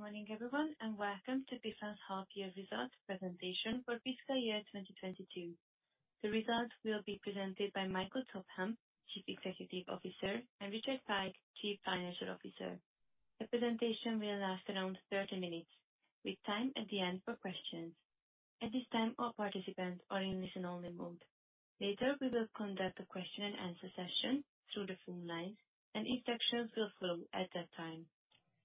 Good morning, everyone, and welcome to Biffa's half year results presentation for fiscal year 2022. The results will be presented by Michael Topham, Chief Executive Officer, and Richard Pike, Chief Financial Officer. The presentation will last around 30 minutes, with time at the end for questions. At this time, all participants are in listen-only mode. Later, we will conduct a question and answer session through the phone lines, and instructions will follow at that time.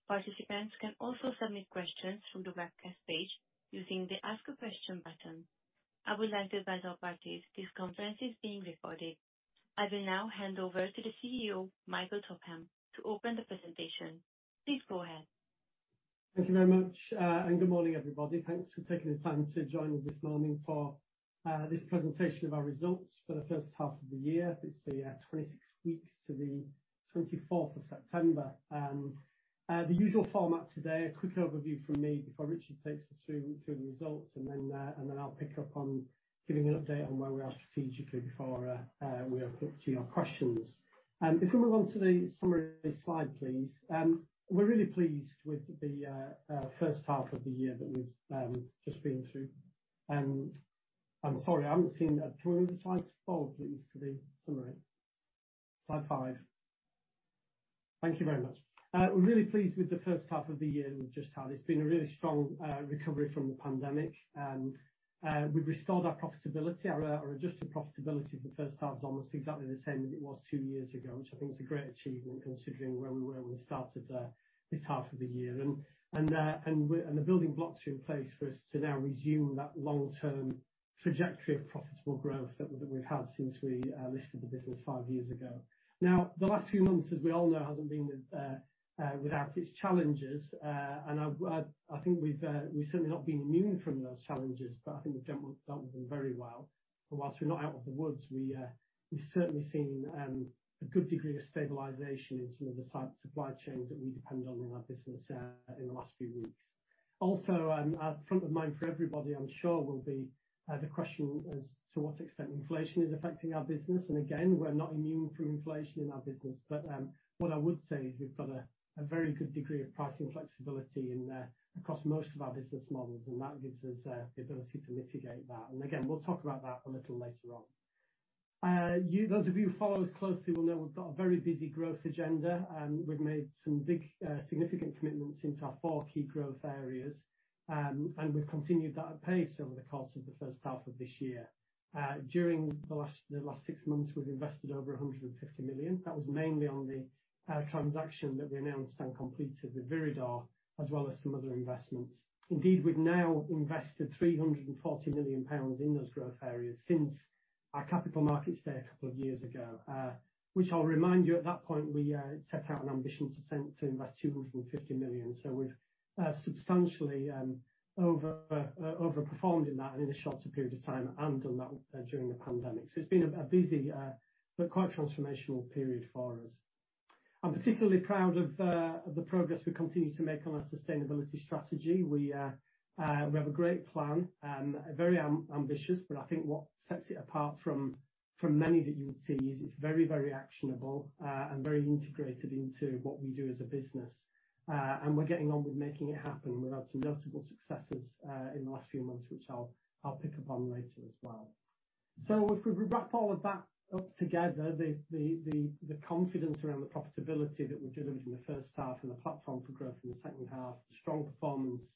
Participants can also submit questions through the webcast page using the Ask a Question button. I would like to advise all parties. This conference is being recorded. I will now hand over to the CEO, Michael Topham, to open the presentation. Please go ahead. Thank you very much and good morning, everybody. Thanks for taking the time to join us this morning for this presentation of our results for the first half of the year. It's the 26 weeks to the 24th of September. The usual format today, a quick overview from me before Richard takes us through the results, and then I'll pick up on giving an update on where we are strategically before we open up to your questions. If we move on to the summary slide, please. We're really pleased with the first half of the year that we've just been through. I'm sorry, I haven't seen. Can we have Slide 4 please for the summary. Slide 5. Thank you very much. We're really pleased with the first half of the year we've just had. It's been a really strong recovery from the pandemic, and we've restored our profitability. Our adjusted profitability for the first half is almost exactly the same as it was two years ago, which I think is a great achievement considering where we were when we started this half of the year. The building blocks are in place for us to now resume that long-term trajectory of profitable growth that we've had since we listed the business five years ago. Now, the last few months, as we all know, hasn't been without its challenges. I think we've certainly not been immune from those challenges, but I think we've dealt with them very well. While we're not out of the woods, we've certainly seen a good degree of stabilization in some of the supply chains that we depend on in our business in the last few weeks. Also, front of mind for everybody, I'm sure, will be the question as to what extent inflation is affecting our business. Again, we're not immune from inflation in our business. What I would say is we've got a very good degree of pricing flexibility across most of our business models, and that gives us the ability to mitigate that. Again, we'll talk about that a little later on. Those of you who follow us closely will know we've got a very busy growth agenda, and we've made some big significant commitments into our four key growth areas. We've continued that pace over the course of the first half of this year. During the last six months, we've invested over 150 million. That was mainly on the transaction that we announced and completed with Viridor, as well as some other investments. Indeed, we've now invested 340 million pounds in those growth areas since our capital markets day a couple of years ago. Which I'll remind you, at that point, we set out an ambition to invest 250 million. We've substantially overperformed in that in a shorter period of time and done that during the pandemic. It's been a busy but quite transformational period for us. I'm particularly proud of the progress we continue to make on our sustainability strategy. We have a great plan, very ambitious, but I think what sets it apart from many that you would see is it's very, very actionable, and very integrated into what we do as a business. We're getting on with making it happen. We've had some notable successes in the last few months, which I'll pick up on later as well. If we wrap all of that up together, the confidence around the profitability that we delivered in the first half and the platform for growth in the second half, strong performance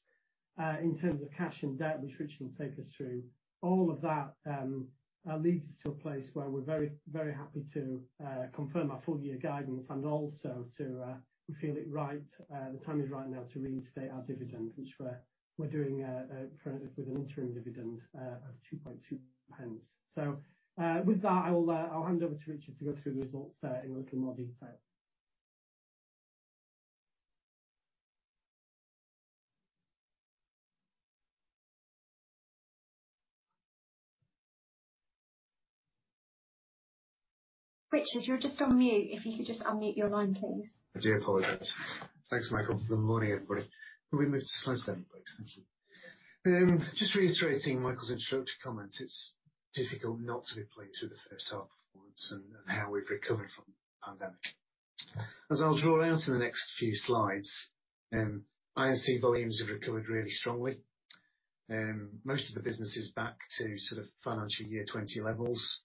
in terms of cash and debt, which Richard will take us through, all of that leads us to a place where we're very, very happy to confirm our full year guidance and also the timing is right now to restate our dividend, which we're doing with an interim dividend of 0.022. With that, I will hand over to Richard to go through the results in a little more detail. Richard, you're just on mute. If you could just unmute your line, please. I do apologize. Thanks, Michael. Good morning, everybody. Can we move to Slide 7, please? Thank you. Just reiterating Michael's introductory comment, it's difficult not to be pleased with the first half performance and how we've recovered from the pandemic. As I'll draw out in the next few slides, I&C volumes have recovered really strongly. Most of the business is back to sort of FY 2020 levels.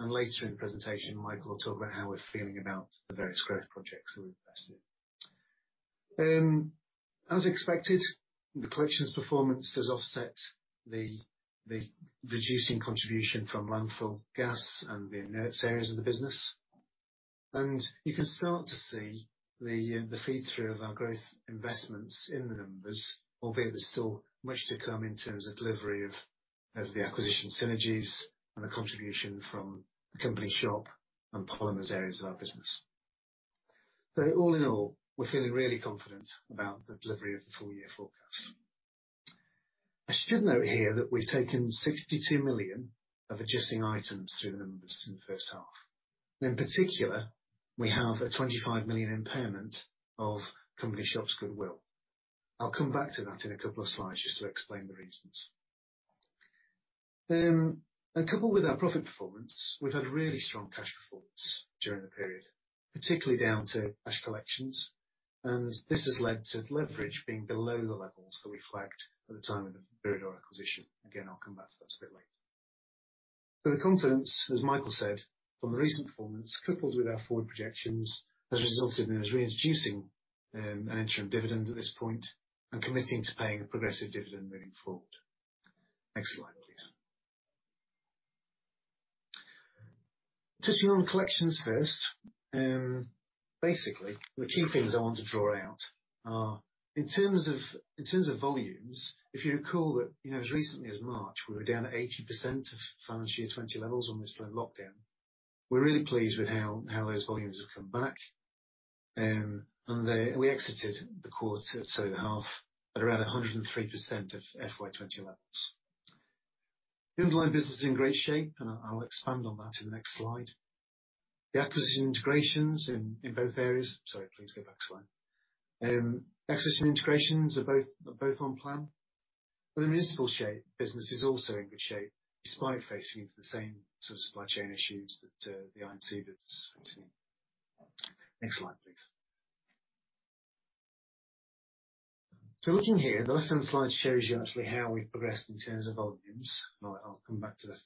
Later in the presentation, Michael will talk about how we're feeling about the various growth projects that we've invested. As expected, the collections performance has offset the reducing contribution from landfill gas and the inert areas of the business. You can start to see the feed through of our growth investments in the numbers, albeit there's still much to come in terms of delivery of the acquisition synergies and the contribution from the Company Shop and Polymers areas of our business. All in all, we're feeling really confident about the delivery of the full year forecast. I should note here that we've taken 62 million of adjusting items through the numbers in the first half. In particular, we have a 25 million impairment of Company Shop's goodwill. I'll come back to that in a couple of slides just to explain the reasons. Coupled with our profit performance, we've had really strong cash performance during the period, particularly down to cash collections, and this has led to leverage being below the levels that we flagged at the time of the Viridor acquisition. Again, I'll come back to that a bit later. The confidence, as Michael said, from the recent performance, coupled with our forward projections, has resulted in us reintroducing an interim dividend at this point and committing to paying a progressive dividend moving forward. Next slide, please. Touching on collections first. Basically, the key things I want to draw out are in terms of volumes, if you recall that, you know, as recently as March, we were down 80% of financial year 2020 levels when we went into lockdown. We're really pleased with how those volumes have come back, and we exited the quarter, sorry, the half at around 103% of FY 2020 levels. The underlying business is in great shape, and I'll expand on that in the next slide. The acquisition integrations in both areas. Sorry, please go back a slide. Acquisition integrations are both on plan, but the municipal business is also in good shape, despite facing the same sort of supply chain issues that the I&C business is facing. Next slide, please. Looking here, the left-hand slide shows you actually how we've progressed in terms of volumes. I'll come back to this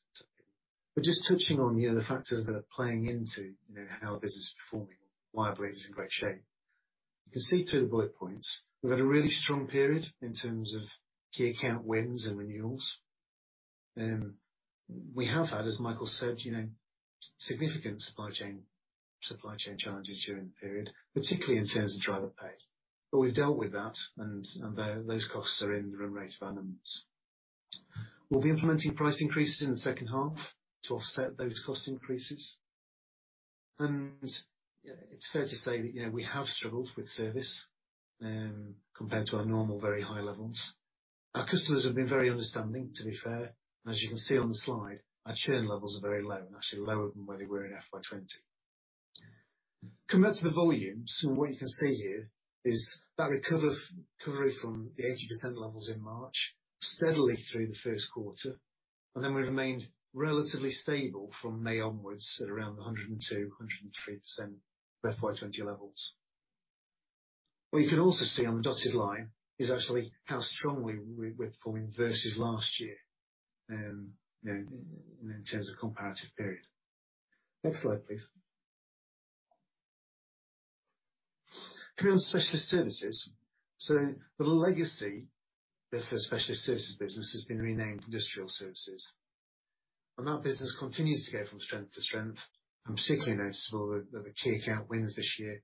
in a second. Just touching on, you know, the factors that are playing into, you know, how the business is performing, why I believe it's in great shape. You can see two bullet points. We've had a really strong period in terms of key account wins and renewals. We have had, as Michael said, you know, significant supply chain challenges during the period, particularly in terms of driver pay. But we've dealt with that, and those costs are in the room rate of our members. We'll be implementing price increases in the second half to offset those cost increases. It's fair to say that, you know, we have struggled with service, compared to our normal very high levels. Our customers have been very understanding, to be fair. As you can see on the slide, our churn levels are very low, and actually lower than where they were in FY 2020. Coming back to the volumes, what you can see here is that recovery from the 80% levels in March steadily through the first quarter, and then we remained relatively stable from May onwards at around 102, 103% of FY 2020 levels. What you can also see on the dotted line is actually how strongly we're performing versus last year, you know, in terms of comparative period. Next slide, please. Coming on specialist services. The legacy Viridor specialist services business has been renamed Industrial Services, and that business continues to go from strength to strength, and particularly noticeable at the key account wins this year.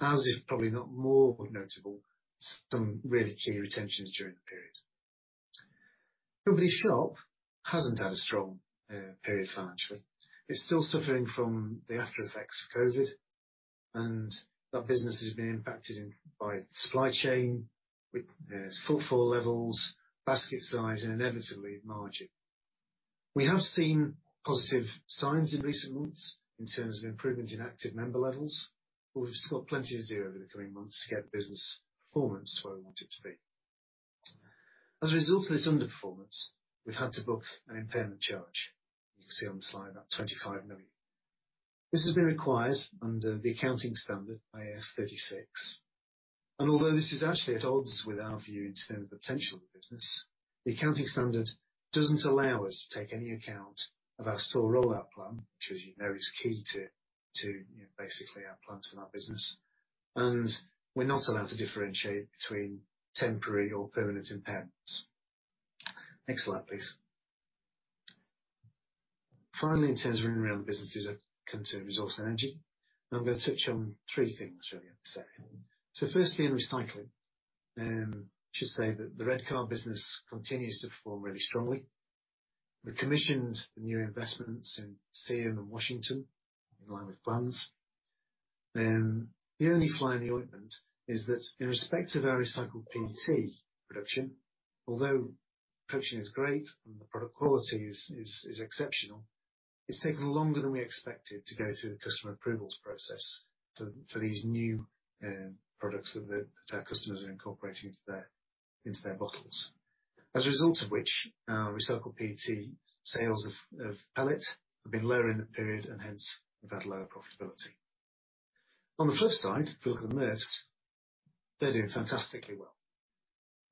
As if probably not more notable, some really key retentions during the period. The Company Shop hasn't had a strong period financially. It's still suffering from the after effects of COVID, and that business has been impacted by supply chain with footfall levels, basket size, and inevitably margin. We have seen positive signs in recent months in terms of improvement in active member levels, but we've still got plenty to do over the coming months to get business performance where we want it to be. As a result of this underperformance, we've had to book an impairment charge. You can see on the slide, about 25 million. This has been required under the accounting standard IAS 36. Although this is actually at odds with our view in terms of the potential of the business, the accounting standard doesn't allow us to take any account of our store rollout plan, which, as you know, is key to you know, basically our plans for that business. We're not allowed to differentiate between temporary or permanent impairments. Next slide, please. Finally, in terms of running around the businesses that come to resource and energy, and I'm gonna touch on three things really here. Firstly, in recycling, I should say that the Redcar business continues to perform really strongly. We commissioned the new investments in Seaham and Washington in line with plans. The only fly in the ointment is that in respect of our recycled PET production, although production is great and the product quality is exceptional, it's taken longer than we expected to go through the customer approvals process for these new products that our customers are incorporating into their bottles. As a result of which our recycled PET sales of pellet have been lower in the period and hence we've had lower profitability. On the flip side, if you look at the MRFs, they're doing fantastically well.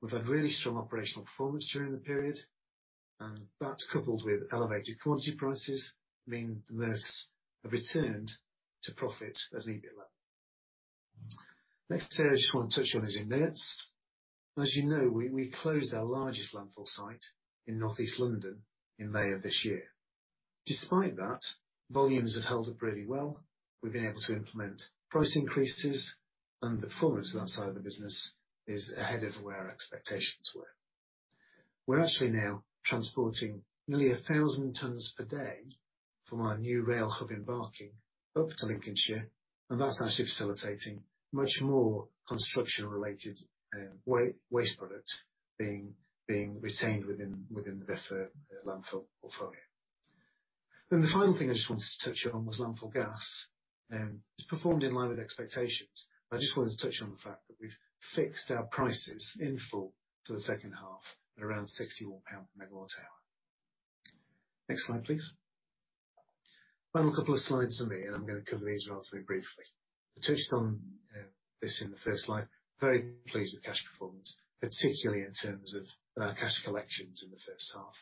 We've had really strong operational performance during the period, and that coupled with elevated quantity prices mean the MRFs have returned to profit at an EBITDA level. Next area I just wanna touch on is in waste. As you know, we closed our largest landfill site in Northeast London in May of this year. Despite that, volumes have held up really well. We've been able to implement price increases and the performance of that side of the business is ahead of where our expectations were. We're actually now transporting nearly 1,000 tons per day from our new rail hub in Barking up to Lincolnshire, and that's actually facilitating much more construction-related waste product being retained within the Viridor landfill portfolio. The final thing I just wanted to touch on was landfill gas. It's performed in line with expectations. I just wanted to touch on the fact that we've fixed our prices in full for the second half at around 61 pound per MWh. Next slide, please. Final couple of slides from me, and I'm gonna cover these relatively briefly. I touched on this in the first slide. Very pleased with cash performance, particularly in terms of cash collections in the first half.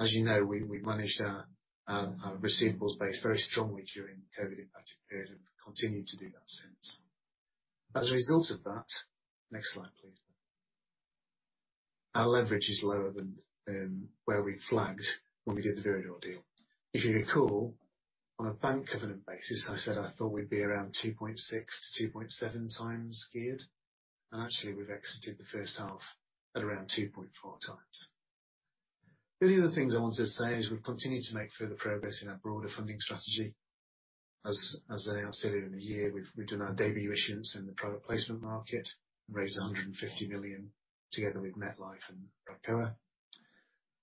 As you know, we managed our receivables base very strongly during the COVID impacted period, and continued to do that since. As a result of that, next slide please, our leverage is lower than where we flagged when we did the Viridor deal. If you recall, on a bank covenant basis, I said I thought we'd be around 2.6x-2.7x geared, and actually we've exited the first half at around 2.4x. The only other things I want to say is we've continued to make further progress in our broader funding strategy. As I said earlier in the year, we've done our debut issuance in the private placement market and raised 150 million together with MetLife and Pricoa.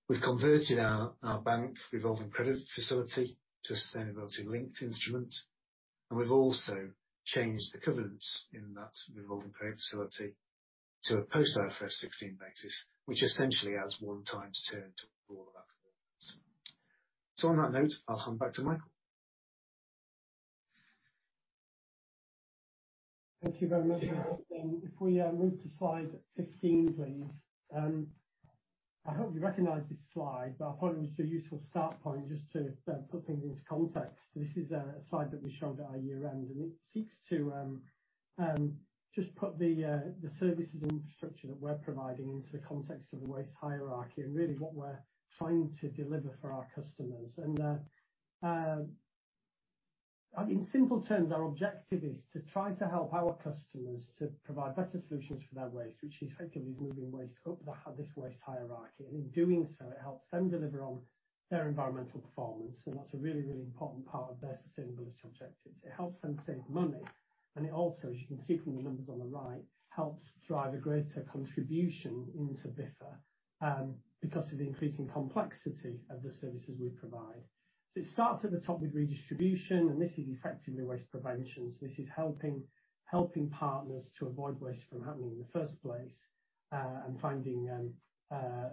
We've converted our bank revolving credit facility to a sustainability linked instrument, and we've also changed the covenants in that revolving credit facility to a post IFRS 16 basis, which essentially adds 1x turn to all of our covenants. On that note, I'll hand back to Michael. Thank you very much, Richard. If we move to Slide 15 please. I hope you recognize this slide, but I thought it was a useful start point just to put things into context. This is a slide that we showed at our year-end, and it seeks to just put the services infrastructure that we're providing into the context of the waste hierarchy and really what we're trying to deliver for our customers. In simple terms, our objective is to try to help our customers to provide better solutions for their waste, which is effectively moving waste up this waste hierarchy. In doing so, it helps them deliver on their environmental performance, and that's a really important part of their sustainability objectives. It helps them save money, and it also, as you can see from the numbers on the right, helps drive a greater contribution into Biffa, because of the increasing complexity of the services we provide. It starts at the top with redistribution, and this is effectively waste prevention. This is helping partners to avoid waste from happening in the first place, and finding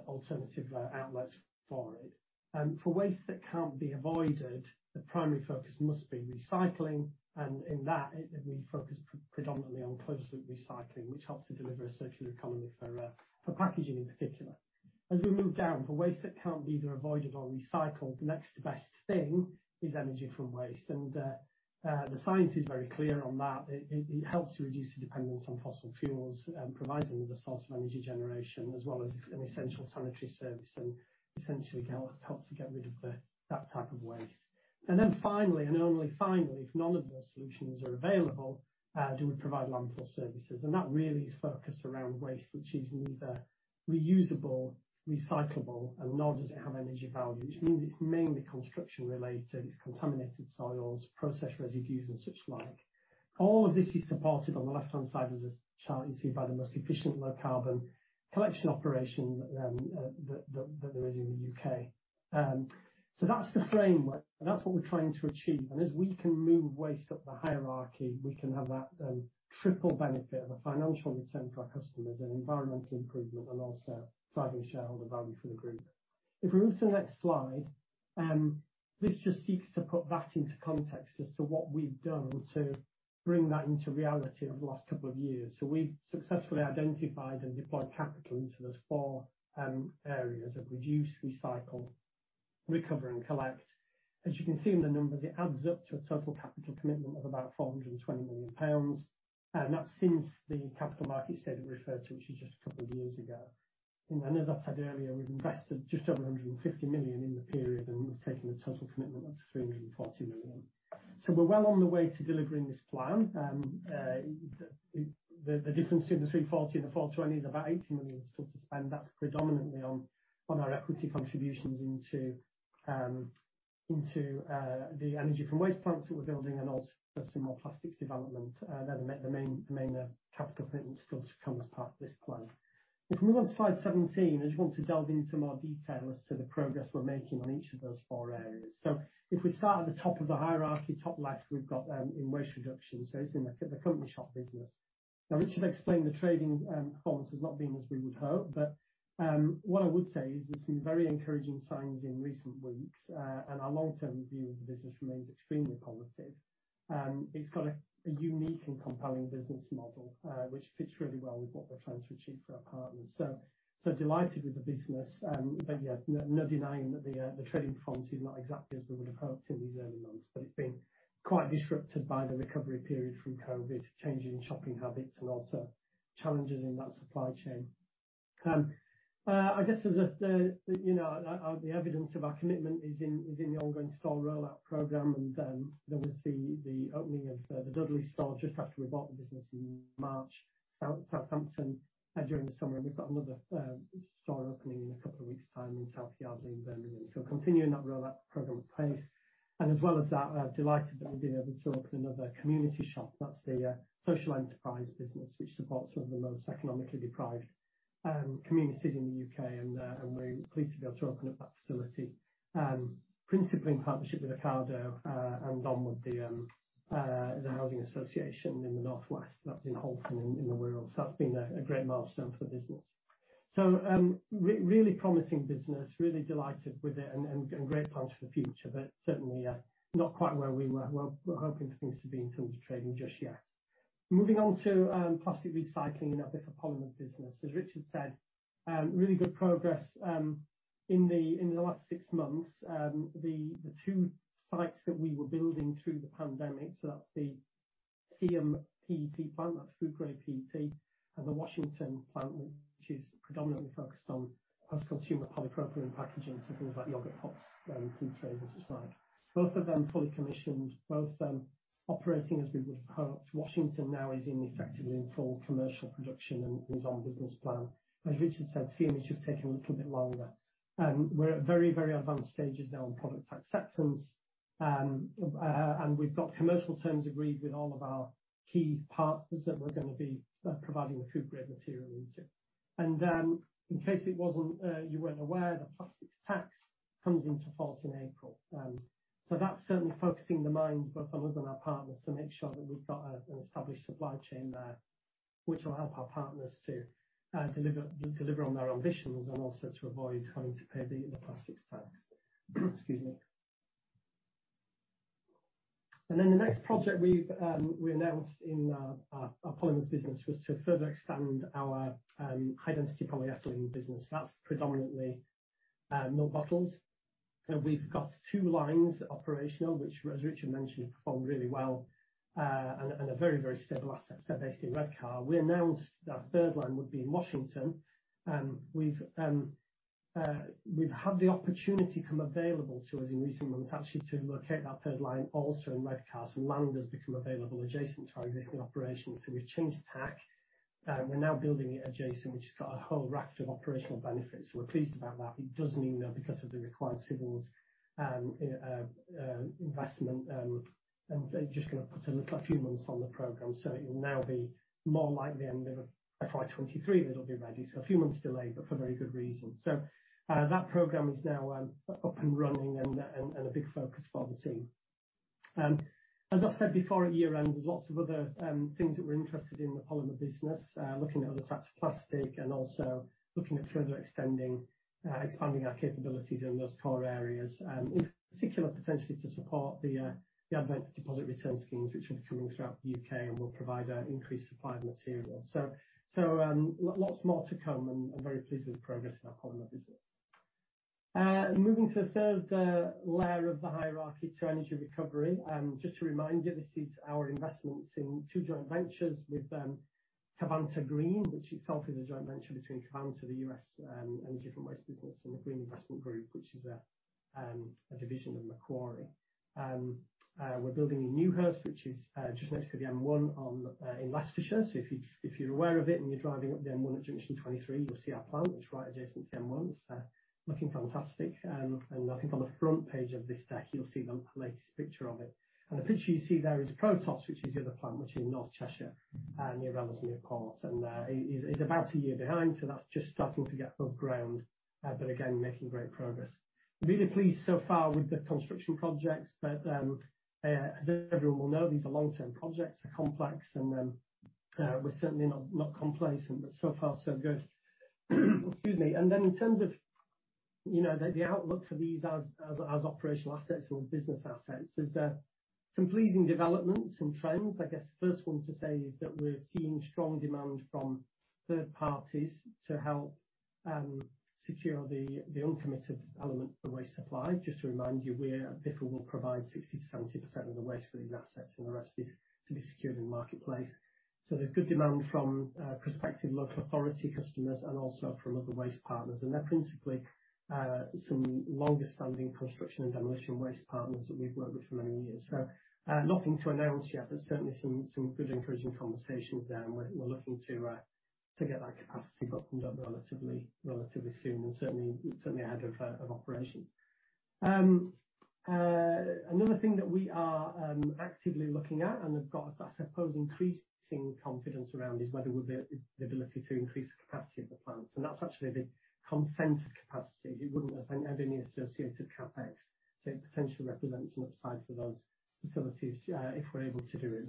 alternative outlets for it. For waste that can't be avoided, the primary focus must be recycling, and in that, we focus predominantly on closed loop recycling, which helps to deliver a circular economy for packaging in particular. As we move down, for waste that can't be either avoided or recycled, the next best thing is energy from waste. The science is very clear on that. It helps reduce the dependence on fossil fuels, providing the source of energy generation as well as an essential sanitary service and essentially helps to get rid of that type of waste. Then finally, and only finally, if none of those solutions are available, do we provide landfill services. That really is focused around waste which is neither reusable, recyclable, nor does it have energy value, which means it's mainly construction-related. It's contaminated soils, process residues and such like. All of this is supported on the left-hand side of this chart you see by the most efficient low-carbon collection operation that there is in the U.K.. That's the framework and that's what we're trying to achieve. As we can move waste up the hierarchy, we can have that triple benefit of a financial return to our customers and environmental improvement, and also driving shareholder value for the group. If we move to the next slide, this just seeks to put that into context as to what we've done to bring that into reality over the last couple of years. We've successfully identified and deployed capital into those four areas of reduce, recycle, recover, and collect. As you can see in the numbers, it adds up to a total capital commitment of about 420 million pounds, and that's since the capital market study referred to, which is just a couple of years ago. As I said earlier, we've invested just over 150 million in the period, and we've taken a total commitment of 340 million. We're well on the way to delivering this plan. The difference between the 340 and the 420 is about 80 million still to spend. That's predominantly on our equity contributions into the energy from waste plants that we're building and also for some more plastics development. They're the main capital commitment still to come as part of this plan. If we move on to Slide 17, I just want to delve into more detail as to the progress we're making on each of those four areas. If we start at the top of the hierarchy, top left, we've got in waste reduction. It's in the Company Shop business. Now, Richard explained the trading performance has not been as we would hope, but what I would say is there's some very encouraging signs in recent weeks, and our long-term view of the business remains extremely positive. It's got a unique and compelling business model, which fits really well with what we're trying to achieve for our partners. Delighted with the business. But yeah, no denying that the trading performance is not exactly as we would have hoped in these early months, but it's been quite disrupted by the recovery period from COVID, changing shopping habits and also challenges in that supply chain. I guess you know the evidence of our commitment is in the ongoing store rollout program. There we see the opening of the Dudley store just after we bought the business in March, Southampton during the summer. We've got another store opening in a couple of weeks' time in South Yardley in Birmingham. Continuing that rollout program at pace. As well as that, delighted that we've been able to open another Community Shop. That's the social enterprise business, which supports some of the most economically deprived communities in the U.K. and we're pleased to be able to open up that facility, principally in partnership with Ocado and along with the housing association in the North West. That's in Halton in the Wirral. That's been a great milestone for the business. Really promising business, really delighted with it and great plans for the future, but certainly not quite where we were hoping for things to be in terms of trading just yet. Moving on to plastic recycling in that Biffa Polymers business. As Richard said, really good progress in the last six months. The two sites that we were building through the pandemic, so that's the Seaham PET plant, that's food grade PET, and the Washington plant, which is predominantly focused on post-consumer polypropylene packaging, so things like yogurt pots, food trays and such like. Both of them fully commissioned, both operating as we would have hoped. Washington now is effectively in full commercial production and is on business plan. As Richard said, Seaham's just taking a little bit longer. We're at very, very advanced stages now on product acceptance. We've got commercial terms agreed with all of our key partners that we're gonna be providing the food grade material into. In case you weren't aware, the Plastic Packaging Tax comes into force in April. That's certainly focusing the minds both on us and our partners to make sure that we've got an established supply chain there, which will help our partners to deliver on their ambitions and also to avoid having to pay the Plastic Packaging Tax. Excuse me. The next project we announced in our polymers business was to further extend our high density polyethylene business. That's predominantly milk bottles. We've got two lines operational, which as Richard mentioned, have performed really well, and are very, very stable assets. They're based in Redcar. We announced that our third line would be in Washington, and we've had the opportunity come available to us in recent months actually to locate that third line also in Redcar. Some land has become available adjacent to our existing operations, so we've changed tack. We're now building it adjacent, which has got a whole raft of operational benefits, so we're pleased about that. It does mean, though, because of the required civils investment, they're just gonna put a little few months on the program. It'll now be more like the end of FY 2023 that it'll be ready. A few months delay, but for very good reason. That program is now up and running and a big focus for the team. As I said before at year-end, there's lots of other things that we're interested in the polymer business, looking at other types of plastic and also looking at expanding our capabilities in those core areas, in particular potentially to support the advent of deposit return schemes which are coming throughout the U.K. and will provide an increased supply of material. Lots more to come and very pleased with the progress in our polymer business. Moving to the third layer of the hierarchy to energy recovery. Just to remind you, this is our investments in two joint ventures with Covanta Green, which itself is a joint venture between Covanta, the U.S. energy from waste business, and the Green Investment Group, which is a division of Macquarie. We're building in Newhurst, which is just next to the M1 in Leicestershire. If you're aware of it and you're driving up the M1 at junction 23, you'll see our plant, which is right adjacent to the M1. It's looking fantastic. I think on the front page of this deck you'll see the latest picture of it. The picture you see there is Protos, which is the other plant which is in North Cheshire near Runcorn. It is, it's about a year behind, so that's just starting to get above ground, but again, making great progress. Really pleased so far with the construction projects. As everyone will know, these are long-term projects, they're complex and, we're certainly not complacent, but so far so good. Excuse me. In terms of, you know, the outlook for these as operational assets or as business assets, there's some pleasing developments and trends. I guess first one to say is that we're seeing strong demand from third parties to help secure the uncommitted element of the waste supply. Just to remind you, Biffa will provide 60%-70% of the waste for these assets and the rest is to be secured in the marketplace. There's good demand from prospective local authority customers and also from other waste partners. They're principally some longer-standing construction and demolition waste partners that we've worked with for many years. Nothing to announce yet, but certainly some good encouraging conversations there, and we're looking to get that capacity buttoned up relatively soon and certainly ahead of operations. Another thing that we are actively looking at and have got, I suppose, increasing confidence around is the ability to increase the capacity of the plants. That's actually the consented capacity. It wouldn't have any associated CapEx, so it potentially represents an upside for those facilities if we're able to do it.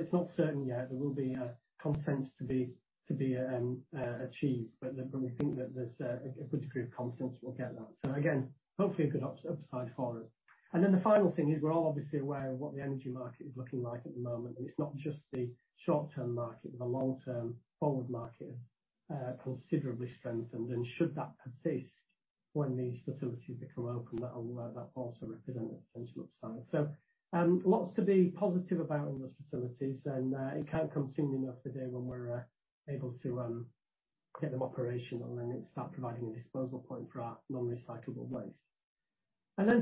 It's not certain yet. There will be consents to be achieved. We think that there's a good degree of confidence we'll get that. Again, hopefully a good upside for us. Then the final thing is we're all obviously aware of what the energy market is looking like at the moment, and it's not just the short-term market. The long-term forward market considerably strengthened and should that persist when these facilities become open, that will also represent a potential upside. Lots to be positive about on those facilities and it can't come soon enough the day when we're able to get them operational and start providing a disposal point for our non-recyclable waste.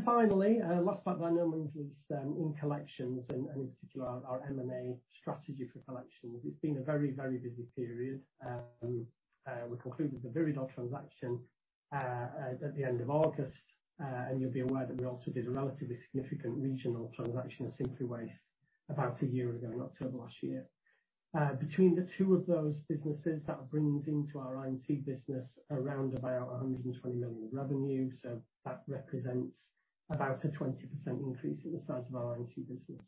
Finally, last but by no means least, in collections and in particular our M&A strategy for collections, it's been a very busy period. We concluded the Viridor transaction at the end of August. You'll be aware that we also did a relatively significant regional transaction at Simply Waste Solutions about a year ago, in October last year. Between the two of those businesses, that brings into our I&C business around about 100 million in revenue, so that represents about a 20% increase in the size of our I&C business.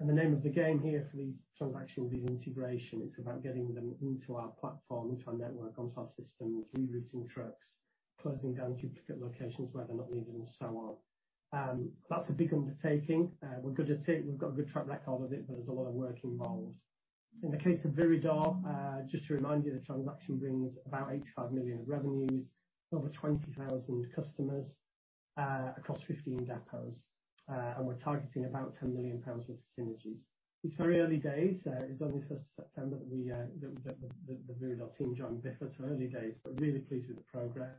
The name of the game here for these transactions is integration. It's about getting them into our platform, into our network, onto our systems, rerouting trucks, closing down duplicate locations where they're not needed, and so on. That's a big undertaking. We're good at it. We've got a good track record of it, but there's a lot of work involved. In the case of Viridor, just to remind you, the transaction brings about 85 million of revenues, over 20,000 customers, across 15 depots. We're targeting about 10 million pounds worth of synergies. It's very early days. It was only first of September that the Viridor team joined Biffa, so early days, but really pleased with the progress.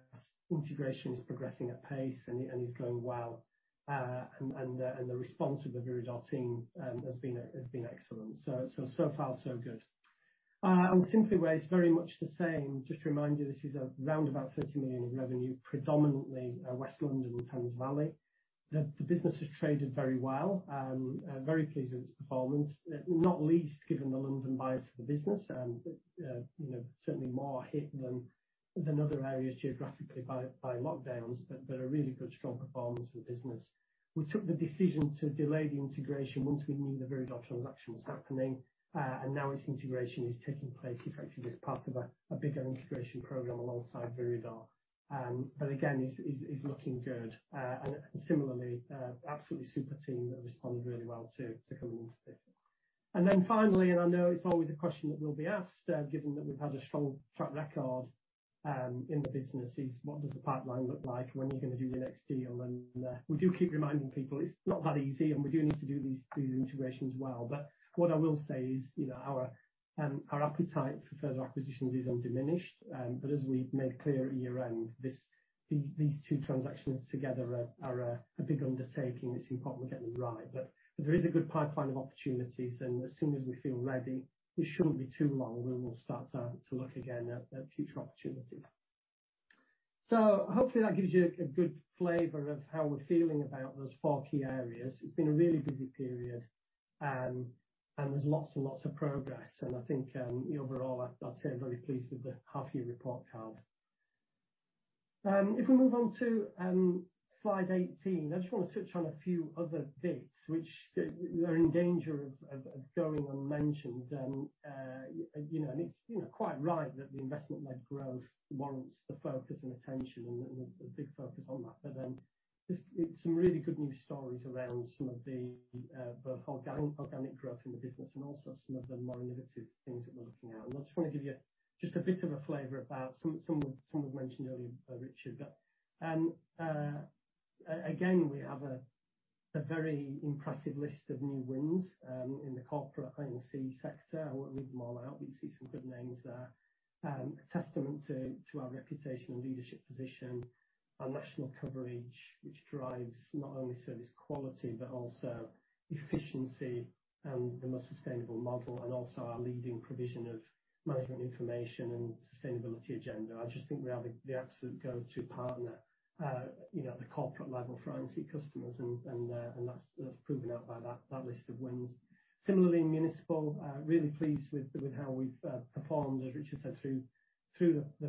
Integration is progressing at pace and is going well. The response from the Viridor team has been excellent. So far, so good. Simply Waste, very much the same. Just to remind you, this is around about 30 million in revenue, predominantly West London and Thames Valley. The business has traded very well. Very pleased with its performance, not least given the London bias of the business, and you know, certainly more hit than other areas geographically by lockdowns, but a really good, strong performance for the business. We took the decision to delay the integration once we knew the Viridor transaction was happening, and now its integration is taking place effectively as part of a bigger integration program alongside Viridor. But again, it is looking good. And similarly, absolutely super team that responded really well to coming into Biffa. Finally, and I know it's always a question that will be asked, given that we've had a strong track record in the business, is what does the pipeline look like? When are you gonna do the next deal? We do keep reminding people it's not that easy, and we do need to do these integrations well. What I will say is, you know, our appetite for further acquisitions is undiminished. As we made clear at year-end, these two transactions together are a big undertaking. It's important we get them right. There is a good pipeline of opportunities, and as soon as we feel ready, it shouldn't be too long, we will start to look again at future opportunities. Hopefully that gives you a good flavor of how we're feeling about those four key areas. It's been a really busy period, and there's lots and lots of progress. I think, overall, I'd say very pleased with the half year report card. If we move on to Slide 18, I just wanna touch on a few other bits which they're in danger of going unmentioned. You know, it's quite right that the investment-led growth warrants the focus and attention and a big focus on that. Just some really good news stories around some of the both organic growth in the business and also some of the more innovative things that we're looking at. I just wanna give you just a bit of a flavor about some were mentioned earlier by Richard. Again, we have a very impressive list of new wins in the corporate I&C sector. I won't read them all out, but you see some good names there. A testament to our reputation and leadership position, our national coverage, which drives not only service quality, but also efficiency and the most sustainable model, and also our leading provision of management information and sustainability agenda. I just think we are the absolute go-to partner, you know, at the corporate level for I&C customers, and that's proven out by that list of wins. Similarly, municipal, really pleased with how we've performed, as Richard said, through the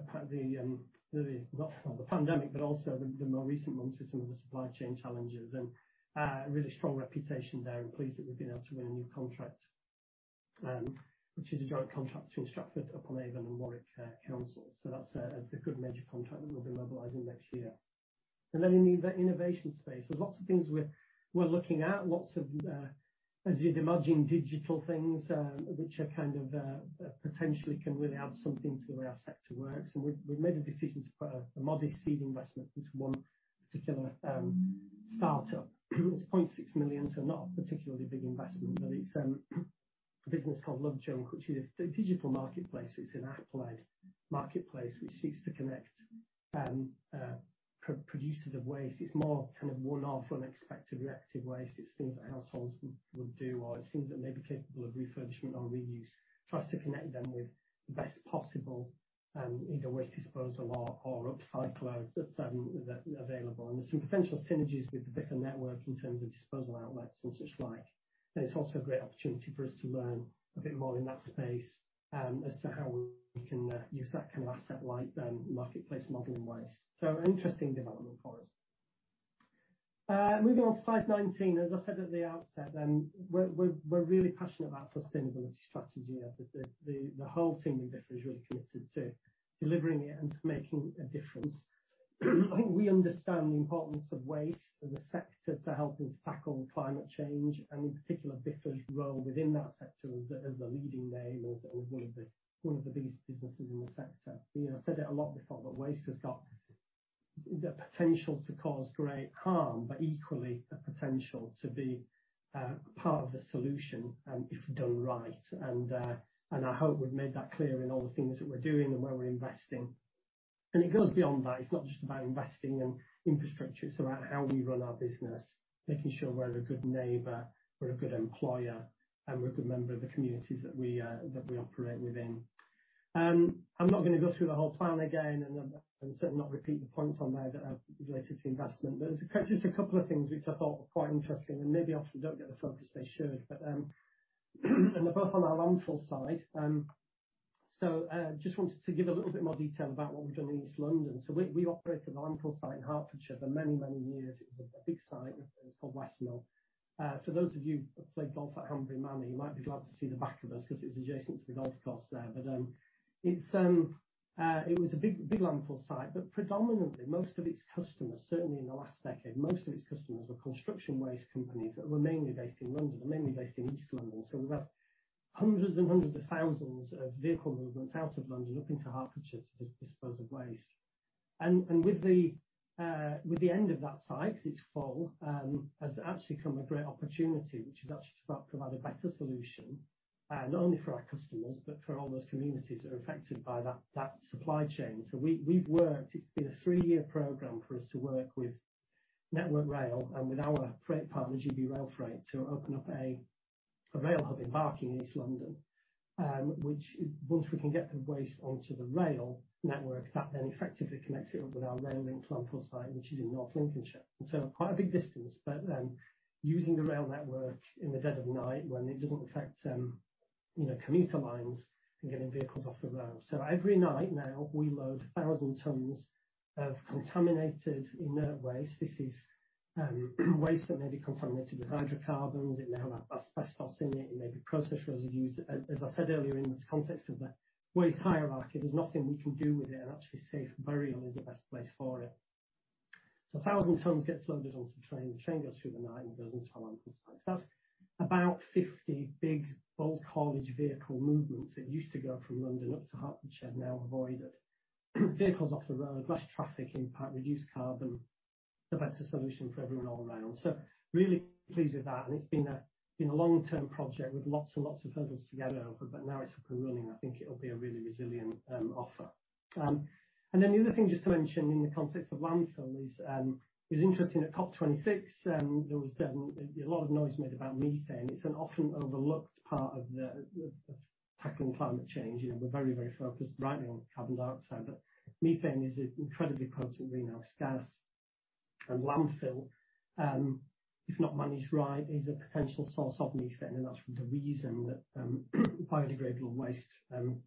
pandemic, but also the more recent months with some of the supply chain challenges, and a really strong reputation there, and pleased that we've been able to win a new contract, which is a joint contract between Stratford-upon-Avon and Warwick Council. That's a good major contract that we'll be mobilizing next year. In the innovation space, there's lots of things we're looking at, lots of, as you'd imagine, digital things, which are kind of potentially can really add something to the way our sector works. We've made a decision to put a modest seed investment into one particular startup. It's 0.6 million, so not a particularly big investment, but it's a business called LoveJunk, which is a digital marketplace. It's an app-led marketplace which seeks to connect producers of waste. It's more kind of one-off, unexpected, reactive waste. It's things that households would do or it's things that may be capable of refurbishment or reuse, tries to connect them with the best possible, either waste disposal or upcycler that that are available. There's some potential synergies with the Biffa network in terms of disposal outlets and such like. It's also a great opportunity for us to learn a bit more in that space, as to how we can use that kind of asset-light marketplace model in waste. An interesting development for us. Moving on to Slide 19. As I said at the outset, we're really passionate about sustainability strategy. The whole team at Biffa is really committed to delivering it and to making a difference. I think we understand the importance of waste as a sector to helping to tackle climate change and in particular, Biffa's role within that sector as the leading name, as one of the biggest businesses in the sector. You know, I said it a lot before, but waste has got the potential to cause great harm, but equally the potential to be part of the solution, if done right. I hope we've made that clear in all the things that we're doing and where we're investing. It goes beyond that. It's not just about investing in infrastructure. It's about how we run our business, making sure we're a good neighbor, we're a good employer, and we're a good member of the communities that we operate within. I'm not gonna go through the whole plan again and certainly not repeat the points on there that are related to investment. There's a couple, just a couple of things which I thought were quite interesting and maybe often don't get the focus they should. They're both on our landfill site. Just wanted to give a little bit more detail about what we've done in East London. We operated a landfill site in Hertfordshire for many years. It was a big site called Westmill. For those of you who play golf at Hanbury Manor, you might be glad to see the back of us because it was adjacent to the golf course there. It was a big landfill site, but predominantly most of its customers, certainly in the last decade, most of its customers were construction waste companies that were mainly based in London and mainly based in East London. We've got hundreds and hundreds of thousands of vehicle movements out of London up into Hertfordshire to dispose of waste. With the end of that site, it's full, has actually come a great opportunity, which is actually to provide a better solution, not only for our customers but for all those communities that are affected by that supply chain. We've worked... It's been a three-year program for us to work with Network Rail and with our freight partner, GB Railfreight, to open up a rail hub in Barking, East London, which once we can get the waste onto the rail network, that then effectively connects it up with our Rail-link landfill site, which is in North Lincolnshire. Quite a big distance, but using the rail network in the dead of night when it doesn't affect you know, commuter lines and getting vehicles off the road. Every night now we load 1,000 tons of contaminated inert waste. This is waste that may be contaminated with hydrocarbons. It may have asbestos in it. It may be process residues. As I said earlier, in the context of the waste hierarchy, there's nothing we can do with it and actually safe burial is the best place for it. 1,000 tons gets loaded onto the train. The train goes through the night and goes into our landfill site. That's about 50 big bulk haulage vehicle movements that used to go from London up to Hertfordshire, now avoided. Vehicles off the road, less traffic impact, reduced carbon, a better solution for everyone all around. Really pleased with that. It's been a long-term project with lots and lots of hurdles to get over, but now it's up and running. I think it'll be a really resilient offer. The other thing just to mention in the context of landfill is, it was interesting at COP26, there was definitely a lot of noise made about methane. It's an often overlooked part of the tackling climate change. You know, we're very, very focused right now on carbon dioxide, but methane is an incredibly potent greenhouse gas. Landfill, if not managed right, is a potential source of methane and that's the reason that biodegradable waste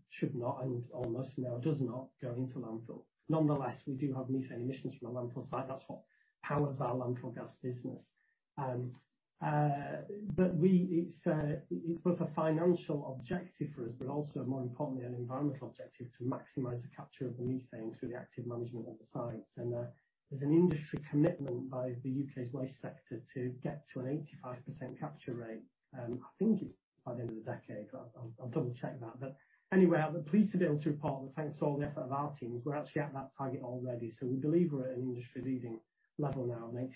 should not and almost now does not go into landfill. Nonetheless, we do have methane emissions from the landfill site. That's what powers our landfill gas business. It's both a financial objective for us, but also more importantly an environmental objective to maximize the capture of the methane through the active management of the sites. There's an industry commitment by the U.K.'s waste sector to get to an 85% capture rate. I think it's by the end of the decade. I'll double-check that. Anyway, I'm pleased to be able to report that thanks to all the effort of our teams, we're actually at that target already. We believe we're at an industry-leading level now of an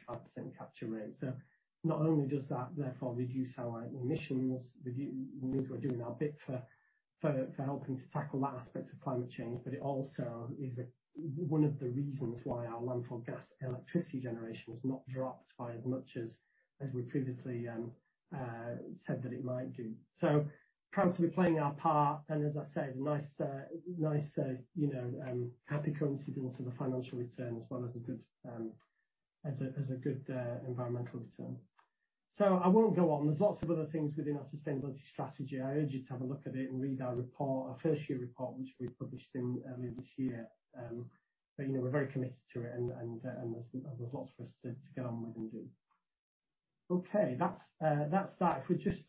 85% capture rate. Not only does that therefore reduce our emissions, we know we're doing our bit for helping to tackle that aspect of climate change, but it also is one of the reasons why our landfill gas electricity generation has not dropped by as much as we previously said that it might do. Proud to be playing our part, and as I said, a nice, you know, happy coincidence of a financial return as well as a good environmental return. I won't go on. There's lots of other things within our sustainability strategy. I urge you to have a look at it and read our report, our first year report, which we published earlier this year. But you know, we're very committed to it and there's lots for us to get on with and do. Okay. That's that. If we just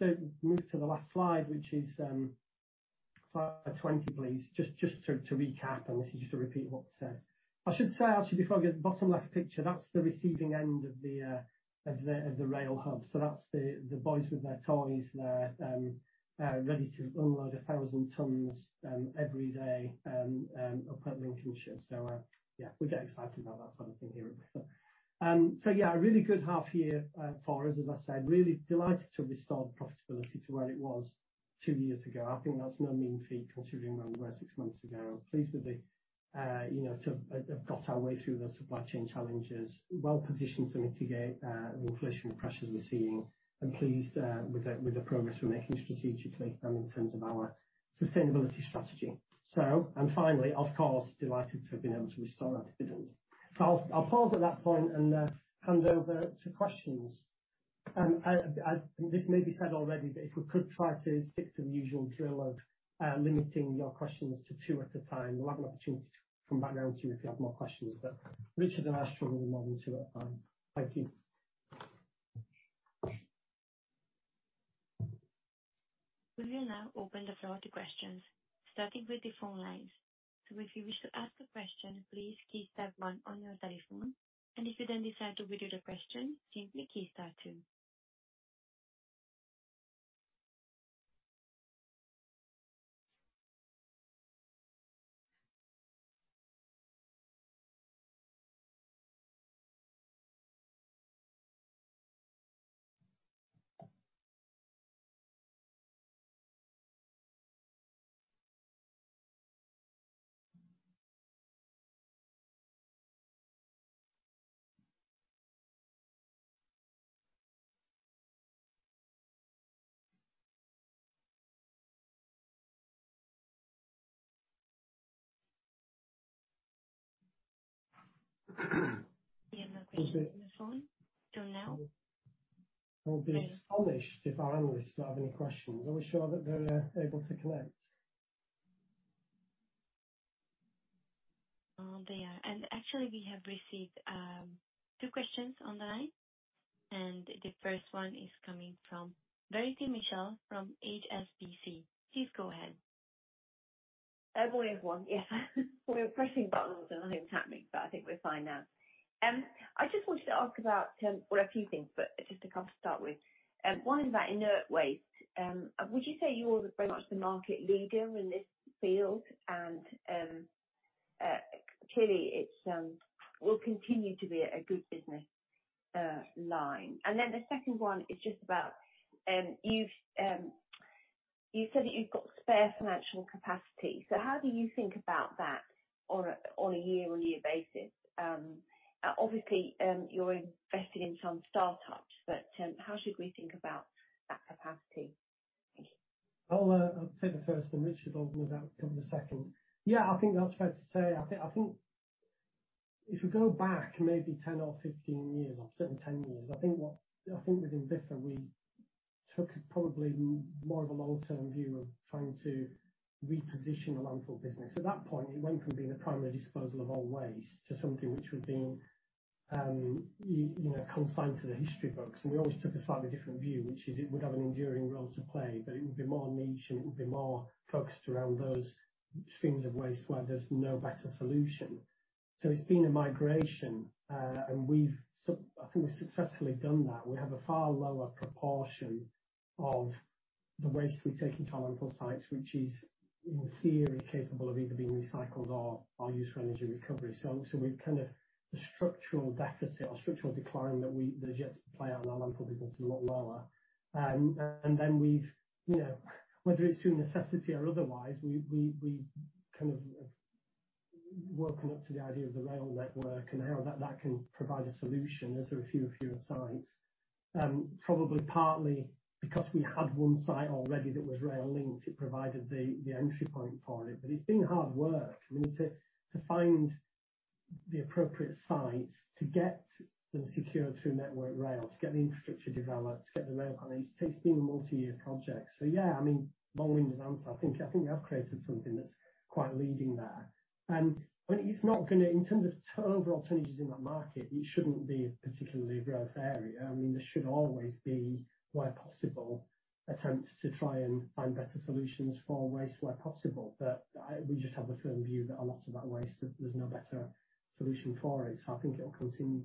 move to the last slide, which is Slide 20, please. Just to recap, and this is just a repeat of what I said. I should say actually before I get to the bottom left picture, that's the receiving end of the rail hub. That's the boys with their toys there, ready to unload 1,000 tons every day up at Lincolnshire. Yeah, we get excited about that sort of thing here at Biffa. Yeah, a really good half year for us, as I said, really delighted to restore profitability to where it was two years ago. I think that's no mean feat considering where we were six months ago. Pleased with the way we got through the supply chain challenges. Well positioned to mitigate the inflation pressures we're seeing, and pleased with the progress we're making strategically and in terms of our sustainability strategy. Finally, of course, delighted to have been able to restore our dividend. I'll pause at that point and hand over to questions. This may be said already, but if we could try to stick to the usual drill of limiting your questions to two at a time. We'll have an opportunity to come back round to you if you have more questions. Richard and I struggle with more than two at a time. Thank you. We will now open the floor to questions, starting with the phone lines. If you wish to ask a question, please key star one on your telephone. If you then decide to withdraw the question, simply key star two. We have no questions on the phone until now. I'll be astonished if our analysts don't have any questions. Are we sure that they're able to connect? Oh, they are. Actually we have received two questions on the line, and the first one is coming from Verity Mitchell from HSBC. Please go ahead. I only have one. Yes. We were pressing buttons and nothing's happening, but I think we're fine now. I just wanted to ask about, well, a few things, but just a couple to start with. One is about inert waste. Would you say you're very much the market leader in this field? Clearly it will continue to be a good business line. Then the second one is just about, you said that you've got spare financial capacity. How do you think about that on a year-on-year basis? Obviously, you're investing in some start-ups, but how should we think about that capacity? Thank you. I'll take the first and Richard will help me out with the second. Yeah, I think that's fair to say. I think if we go back maybe 10 or 15 years, or certainly 10 years, I think within Biffa, we took probably more of a long-term view of trying to reposition the landfill business. At that point, it went from being a primary disposal of all waste to something which would be, you know, consigned to the history books. We always took a slightly different view, which is it would have an enduring role to play, but it would be more niche and it would be more focused around those streams of waste where there's no better solution. It's been a migration, and I think we've successfully done that. We have a far lower proportion of the waste we take into our landfill sites, which is, in theory, capable of either being recycled or used for energy recovery. We've a kind of structural deficit or structural decline that is yet to play out in our landfill business is a lot lower. We've, you know, whether it's through necessity or otherwise, we kind of woken up to the idea of the rail network and how that can provide a solution as there are fewer and fewer sites. Probably partly because we had one site already that was rail linked, it provided the entry point for it. It's been hard work. I mean, to find the appropriate sites to get them secured through Network Rail, to get the infrastructure developed, to get the rail on it. It's been a multi-year project. Yeah, I mean, bowling advance, I think I've created something that's quite leading there. In terms of total opportunities in that market, it shouldn't be a particularly growth area. I mean, there should always be, where possible, attempts to try and find better solutions for waste where possible. We just have a firm view that a lot of that waste, there's no better solution for it. I think it will continue.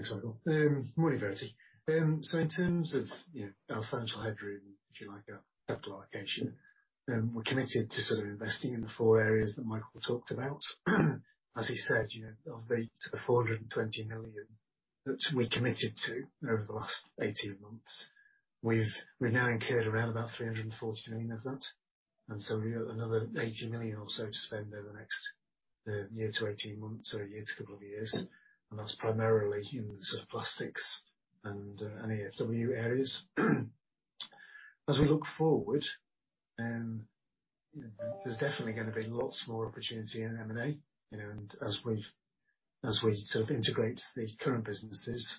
Sorry, go on. Morning, Verity. In terms of, you know, our financial headroom, if you like, our capital allocation, we're committed to sort of investing in the four areas that Michael talked about. As he said, you know, of the 420 million that we committed to over the last 18 months, we've now incurred around about 340 million of that. We have another 80 million or so to spend over the next year to 18 months or a year to couple of years. That's primarily in the sort of plastics and any EFW areas. As we look forward, there's definitely gonna be lots more opportunity in M&A, you know, and as we sort of integrate the current businesses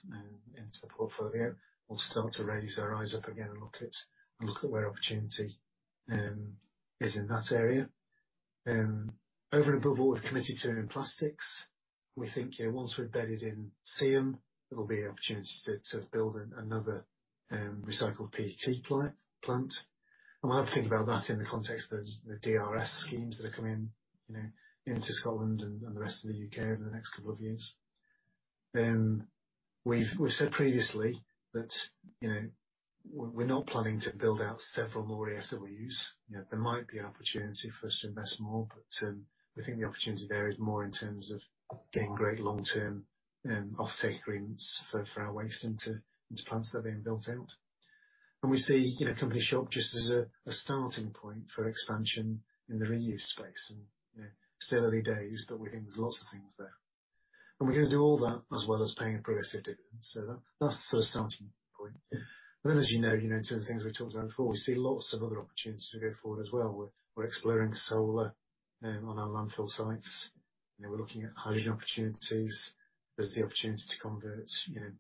into the portfolio, we'll start to raise our eyes up again and look at where opportunity is in that area. Over and above what we've committed to in plastics, we think, you know, once we've bedded in Simply, there'll be opportunities to build another recycled PET plant. We'll have to think about that in the context of the DRS schemes that are coming, you know, into Scotland and the rest of the U.K. over the next couple of years. We've said previously that, you know, we're not planning to build out several more EFWs. You know, there might be an opportunity for us to invest more, but we think the opportunity there is more in terms of getting great long-term offtake agreements for our waste into plants that are being built out. We see, you know, Company Shop Group just as a starting point for expansion in the reuse space and, you know, still early days, but we think there's lots of things there. We're gonna do all that as well as paying a progressive dividend. That, that's the sort of starting point. You know, in terms of things we've talked about before, we see lots of other opportunities to go forward as well. We're exploring solar on our landfill sites, and we're looking at hydrogen opportunities. There's the opportunity to convert, you know,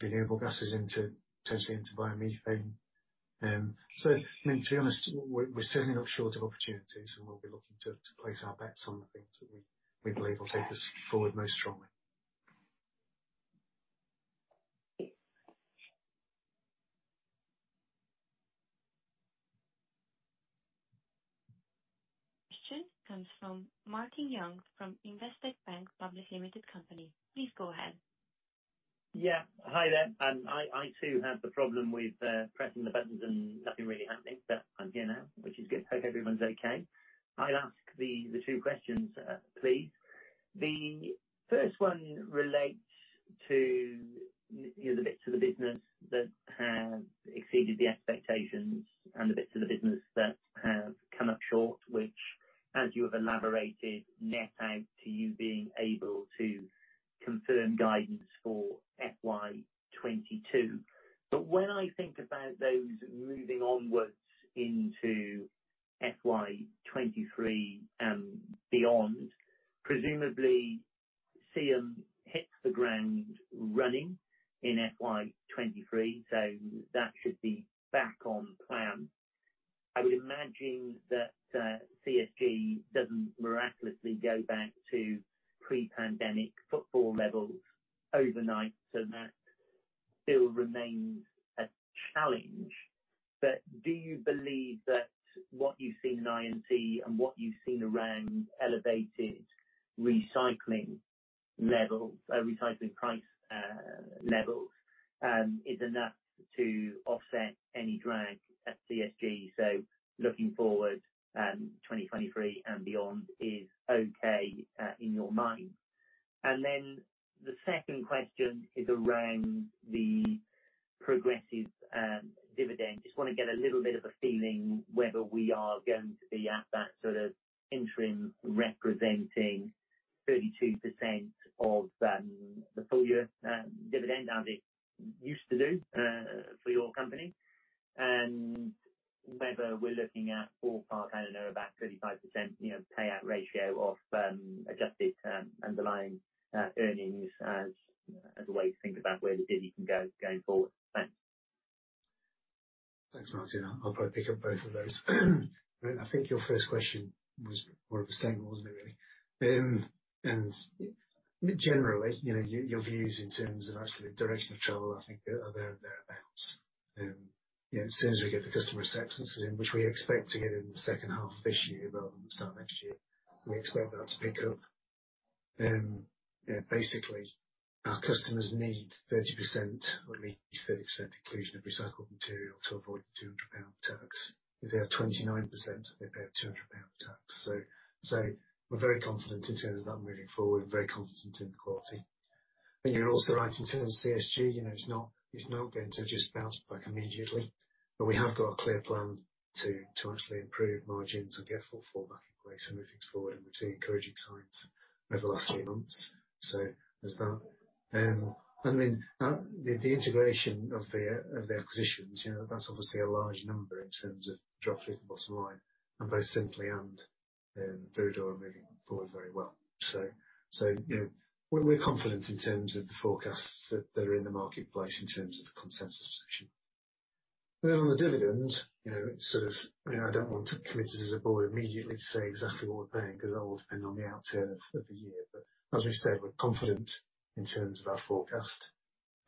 renewable gases into, potentially, into biomethane. I mean, to be honest, we're certainly not short of opportunities, and we'll be looking to place our bets on the things that we believe will take us forward most strongly. Question comes from Martin Young, from Investec Bank Public Limited Company. Please go ahead. Yeah. Hi there. I too have the problem with pressing the buttons and nothing really happening, but I'm here now, which is good. Hope everyone's okay. I'll ask the two questions, please. The first one relates to, you know, the bits of the business that have exceeded the expectations and the bits of the business that have come up short, which, as you have elaborated, net out to you being able to confirm guidance for of those. I think your first question was more of a statement, wasn't it, really? And generally, you know, your views in terms of actually direction of travel, I think are there and thereabouts. As soon as we get the customer acceptance in, which we expect to get in the second half of this year rather than the start of next year, we expect that to pick up. Basically our customers need 30%, at least 30% inclusion of recycled material to avoid the 200 pound tax. If they have 29%, they pay a 200 pound tax. We're very confident in terms of that moving forward and very confident in the quality. I think you're also right in terms of CSG, you know, it's not going to just bounce back immediately. We have got a clear plan to actually improve margins and get footfall back in place and moving forward, and we're seeing encouraging signs over the last three months. There's that. The integration of the acquisitions, you know, that's obviously a large number in terms of drop through to the bottom line. Both Simply and Viridor are moving forward very well. You know, we're confident in terms of the forecasts that are in the marketplace in terms of the consensus position. On the dividend, you know, sort of, you know, I don't want to commit us as a board immediately to say exactly what we're paying because that will depend on the outturn of the year. As we've said, we're confident in terms of our forecast.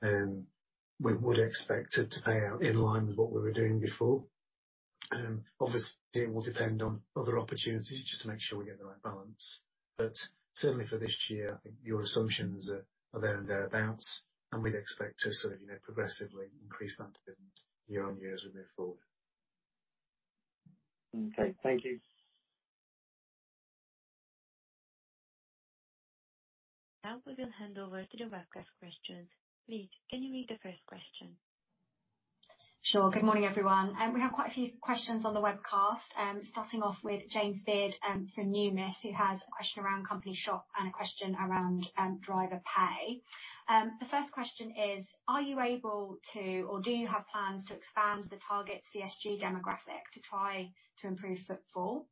We would expect it to pay out in line with what we were doing before. Obviously, it will depend on other opportunities just to make sure we get the right balance. Certainly for this year, I think your assumptions are there and thereabouts, and we'd expect to sort of, you know, progressively increase that dividend year on year as we move forward. Okay. Thank you. Now we will hand over to the webcast questions. Please, can you read the first question? Sure. Good morning, everyone. We have quite a few questions on the webcast. Starting off with James Beard from Numis, who has a question around Company Shop and a question around driver pay. The first question is, are you able to, or do you have plans to expand the target CSG demographic to try to improve footfall?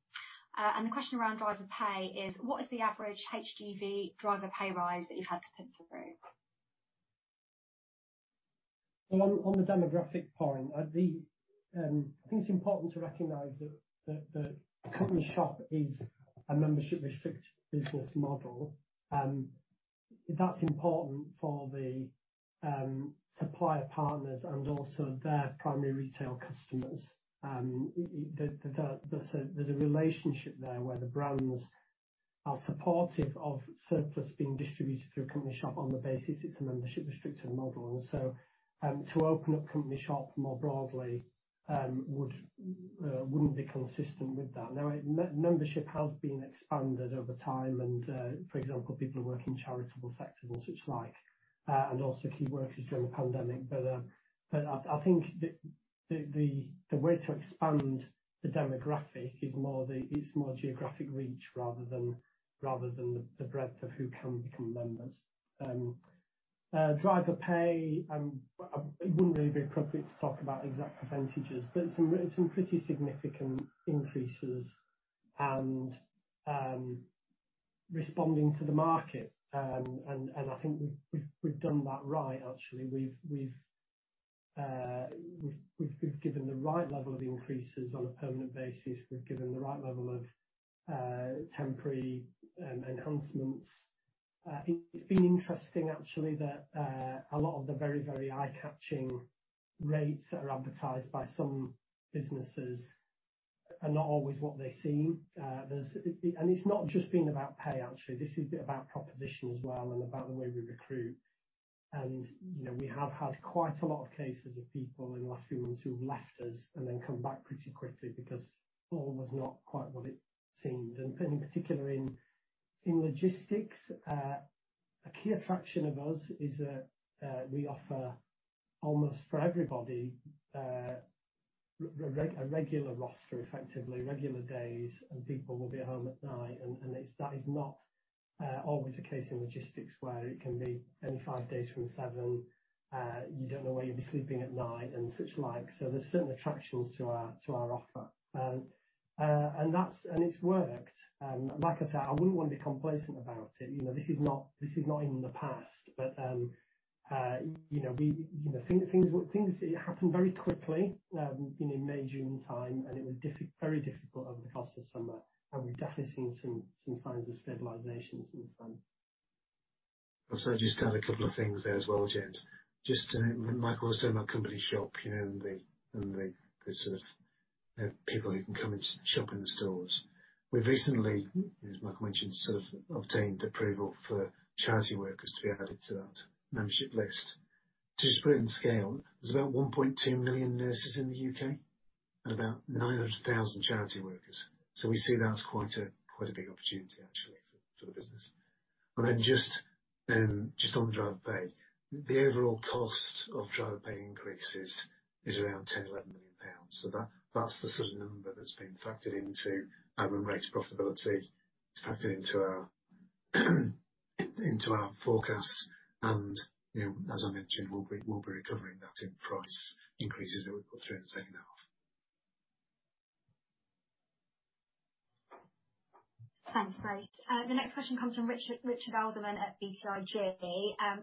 The question around driver pay is, what is the average HGV driver pay rise that you've had to print through? I think it's important to recognize that Company Shop is a membership restricted business model. That's important for the supplier partners and also their primary retail customers. There's a relationship there where the brands are supportive of surplus being distributed through a Company Shop on the basis it's a membership restricted model. To open up Company Shop more broadly wouldn't be consistent with that. Membership has been expanded over time and for example, people working in charitable sectors and such like and also key workers during the pandemic. I think the way to expand the demographic is it's more geographic reach rather than the breadth of who can become members. Driver pay, it wouldn't really be appropriate to talk about exact percentages, but some pretty significant increases and responding to the market. I think we've done that right, actually. We've given the right level of increases on a permanent basis. We've given the right level of temporary enhancements. It's been interesting actually that a lot of the very eye-catching rates that are advertised by some businesses are not always what they seem. It's not just been about pay, actually. This is about proposition as well and about the way we recruit. You know, we have had quite a lot of cases of people in the last few months who've left us and then come back pretty quickly because all was not quite what it seemed. In particular in logistics, a key attraction of us is that we offer almost for everybody a regular roster, effectively regular days, and people will be home at night. It's not always the case in logistics where it can be any five days from seven, you don't know where you'll be sleeping at night and such like. There's certain attractions to our offer. It's worked. Like I said, I wouldn't wanna be complacent about it. You know, this is not in the past. You know, things happen very quickly, you know, in May, June time, and it was very difficult over the course of summer. We've definitely seen some signs of stabilization since then. Can I just add a couple of things there as well, James. Just, Michael was talking about Company Shop, you know, and the sort of people who can come and shop in the stores. We've recently, as Michael mentioned, sort of obtained approval for charity workers to be added to that membership list. To just put it in scale, there's about 1.2 million nurses in the U.K. and about 900,000 charity workers. We see that as quite a big opportunity actually for the business. Just on driver pay. The overall cost of driver pay increases is around 10-11 million pounds. That's the sort of number that's been factored into our run-rate profitability. It's factored into our forecasts. You know, as I mentioned, we'll be recovering that in price increases that we put through in the second half. Thanks, guys. The next question comes from Richard Alderman at BTIG,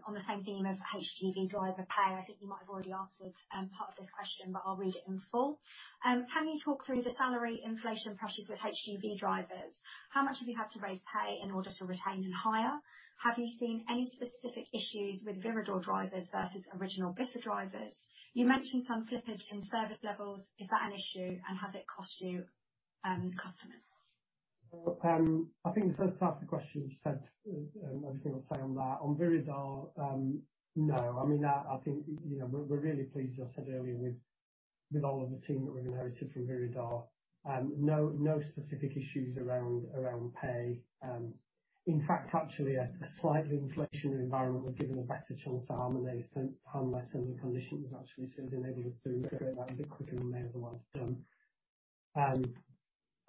on the same theme of HGV driver pay. I think you might have already answered part of this question, but I'll read it in full. Can you talk through the salary inflation pressures with HGV drivers? How much have you had to raise pay in order to retain and hire? Have you seen any specific issues with Viridor drivers versus original Biffa drivers? You mentioned some slippage in service levels. Is that an issue, and has it cost you customers? I think the first half of the question, you said, everything I'll say on that. On Viridor, no. I mean, that, I think, you know, we're really pleased, as I said earlier, with all of the team that we inherited from Viridor. No specific issues around pay. In fact, actually a slightly inflationary environment was given a better chance to harmonize terms and handle less favorable conditions, actually. It's enabled us to recover that a bit quicker than we may otherwise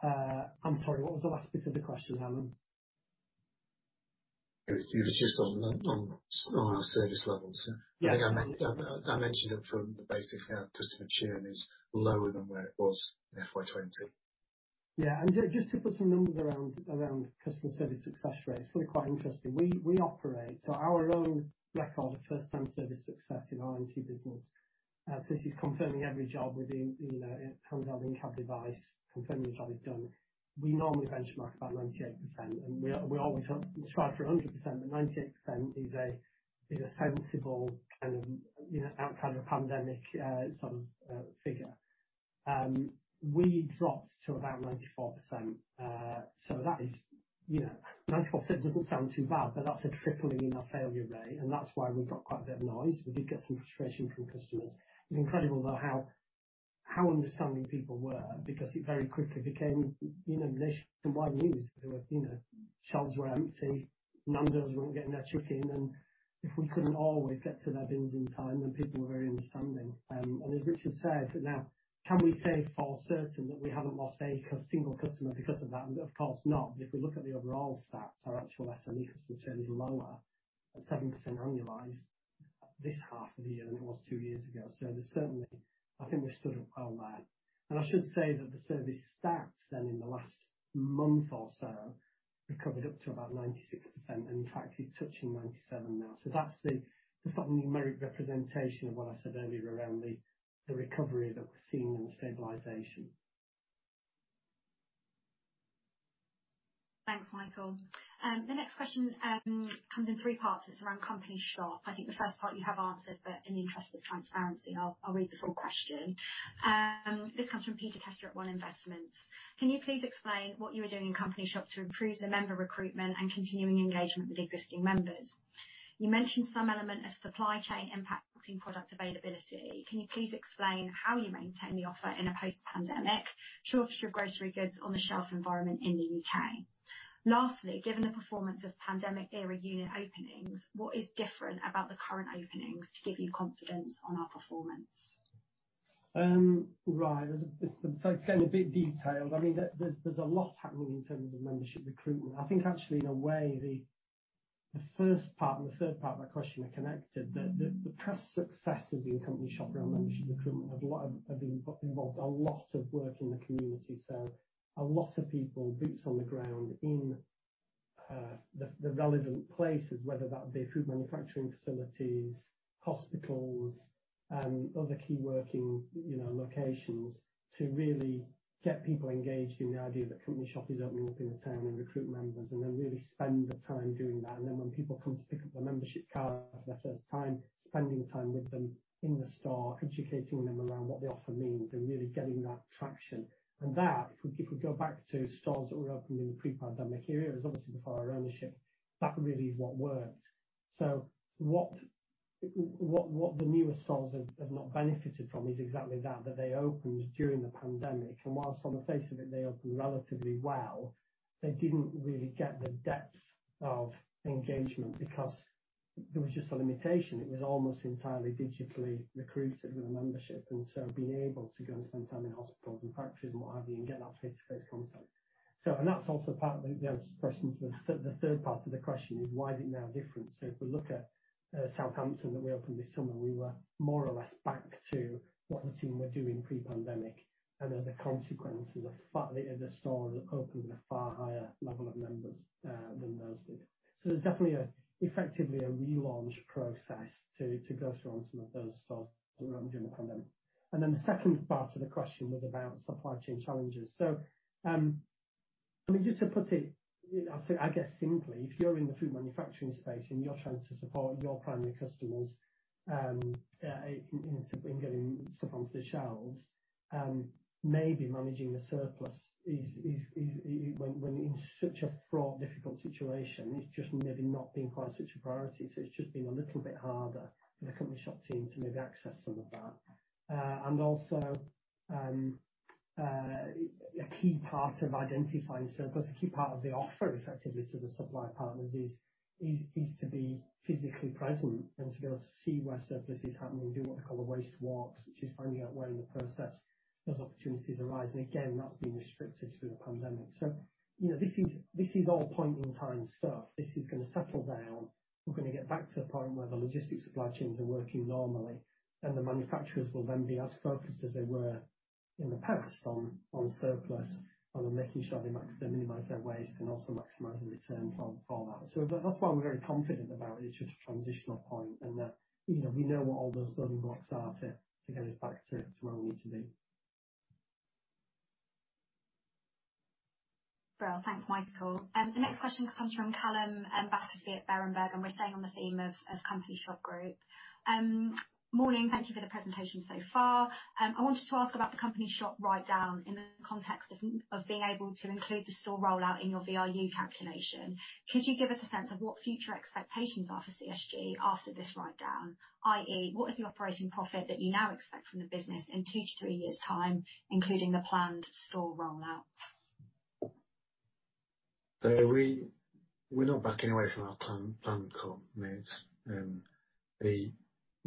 done. I'm sorry, what was the last bit of the question, Helen? It was just on our service levels. Yeah. I think I mentioned it from the outset how customer churn is lower than where it was in FY 2020. Just to put some numbers around customer service success rates, really quite interesting. We operate our own record of first time service success in our I&C business, so this is confirming every job we're doing, you know, it comes out of the in-cab device confirming the job is done. We normally benchmark about 98%, and we always strive for 100%, but 98% is a sensible kind of, you know, outside of the pandemic, sort of figure. We dropped to about 94%. That is, you know, 94% doesn't sound too bad, but that's a tripling in our failure rate. That's why we got quite a bit of noise. We did get some frustration from customers. It's incredible though, how understanding people were because it very quickly became, you know, nationwide news. You know, shelves were empty. Nando's weren't getting their chicken, and if we couldn't always get to their bins in time, then people were very understanding. As Richard said, now can we say for certain that we haven't lost a single customer because of that? Of course not. If we look at the overall stats, our actual SME customer churn is lower at 7% annualized this half of the year than it was two years ago. There's certainly, I think we've stood up well there. I should say that the service stats then in the last month or so recovered up to about 96%, and in fact is touching 97% now. That's the sort of numeric representation of what I said earlier around the recovery that we're seeing and the stabilization. Thanks, Michael. The next question comes in three parts. It's around Company Shop. I think the first part you have answered, but in the interest of transparency, I'll read the full question. This comes from Peter Kesser at One Investments. Can you please explain what you are doing in Company Shop to improve the member recruitment and continuing engagement with existing members? You mentioned some element of supply chain impacting product availability. Can you please explain how you maintain the offer in a post-pandemic shortage of grocery goods on the shelf environment in the UK? Lastly, given the performance of pandemic era unit openings, what is different about the current openings to give you confidence on our performance? Right. It's getting a bit detailed. I mean, there's a lot happening in terms of membership recruitment. I think actually in a way, the first part and the third part of that question are connected. The past successes in Company Shop around membership recruitment have involved a lot of work in the community. A lot of people, boots on the ground in the relevant places, whether that be food manufacturing facilities, hospitals, other key working, you know, locations to really get people engaged in the idea that Company Shop is opening up in the town and recruit members and then really spend the time doing that. Then when people come to pick up their membership card for the first time, spending time with them in the store, educating them around what the offer means and really getting that traction. That if we go back to stores that were opened in the pre-pandemic era, it was obviously before our ownership, that really is what worked. What the newer stores have not benefited from is exactly that they opened during the pandemic, and while on the face of it they opened relatively well, they didn't really get the depth of engagement because there was just a limitation. It was almost entirely digitally recruited with a membership, and so being able to go and spend time in hospitals and practices and what have you, and get that face-to-face contact. That's also part of the answer to the question. The third part of the question is why is it now different? If we look at Southampton that we opened this summer, we were more or less back to what the team were doing pre-pandemic. As a consequence, as a fact, the store had opened with a far higher level of members than those did. There's definitely effectively a relaunch process to go through on some of those stores that were opened during the pandemic. Then the second part of the question was about supply chain challenges. I mean, just to put it, I guess simply, if you're in the food manufacturing space and you're trying to support your primary customers in getting stuff onto the shelves, maybe managing the surplus is. When in such a fraught, difficult situation, it's just maybe not been quite such a priority. It's just been a little bit harder for the Company Shop team to maybe access some of that. A key part of identifying surplus, a key part of the offer, effectively, to the supplier partners is to be physically present and to be able to see where surplus is happening, do what they call the waste walks, which is finding out where in the process those opportunities arise. That's been restricted through the pandemic. You know, this is all point-in-time stuff. This is gonna settle down. We're gonna get back to the point where the logistics supply chains are working normally, and the manufacturers will then be as focused as they were in the past on surplus and on making sure they minimize their waste and also maximize the return from that. That's why we're very confident about it. It's just a transitional point and that, you know, we know what all those building blocks are to get us back to where we need to be. Brill. Thanks, Michael. The next question comes from Callum Mathewson at Berenberg, and we're staying on the theme of Company Shop Group. Morning. Thank you for the presentation so far. I wanted to ask about the Company Shop write-down in the context of being able to include the store rollout in your VIU calculation. Could you give us a sense of what future expectations are for CSG after this write-down, i.e., what is the operating profit that you now expect from the business in two to three years' time, including the planned store rollouts? We're not backing away from our planned commitments.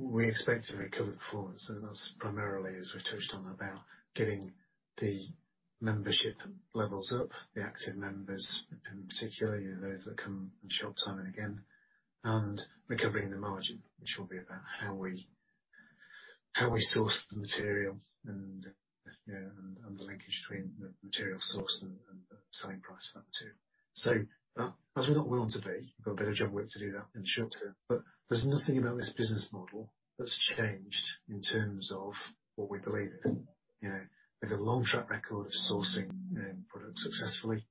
We expect to recover performance, and that's primarily, as we touched on, about getting the membership levels up, the active members in particular, you know, those that come and shop time and again, and recovering the margin, which will be about how we source the material and the linkage between the material source and the selling price of that material. As we're not where we want to be, we've got a bit of a job to do that in the short term. There's nothing about this business model that's changed in terms of what we believe in. You know, we have a long track record of sourcing product successfully,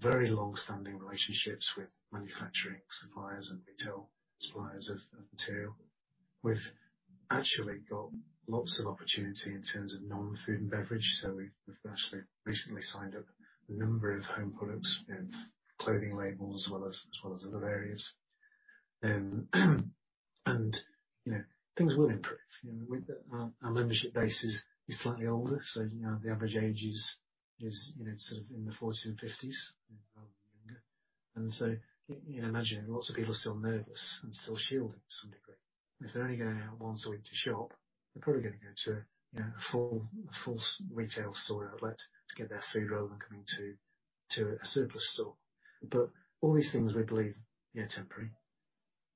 very long-standing relationships with manufacturing suppliers and retail suppliers of material. We've actually got lots of opportunity in terms of non-food and beverage, so we've actually recently signed up a number of home products, we have clothing labels as well as other areas. Things will improve. You know, with our membership base is you know, sort of in the forties and fifties rather than younger. You know, imagine lots of people are still nervous and still shielding to some degree. If they're only going out once a week to shop, they're probably gonna go to you know, a full retail store outlet to get their food rather than coming to a surplus store. All these things we believe are temporary.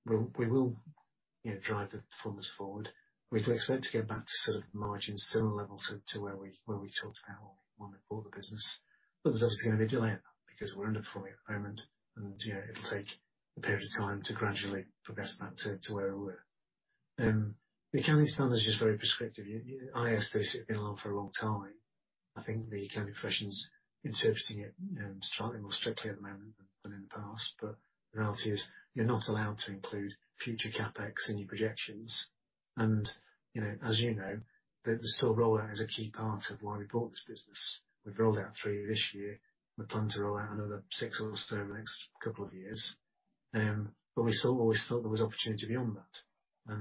We will you know, drive the performance forward. We'd expect to get back to sort of margin similar levels to where we talked about when we bought the business. There's obviously gonna be a delay in that because we're underperforming at the moment and, you know, it'll take a period of time to gradually progress back to where we were. The accounting standard is just very prescriptive. IAS 36 has been around for a long time. I think the accounting profession's interpreting it slightly more strictly at the moment than in the past. The reality is you're not allowed to include future CapEx in your projections. You know, as you know, the store rollout is a key part of why we bought this business. We've rolled out three this year. We plan to roll out another six or so in the next couple of years. Always thought there was opportunity beyond that.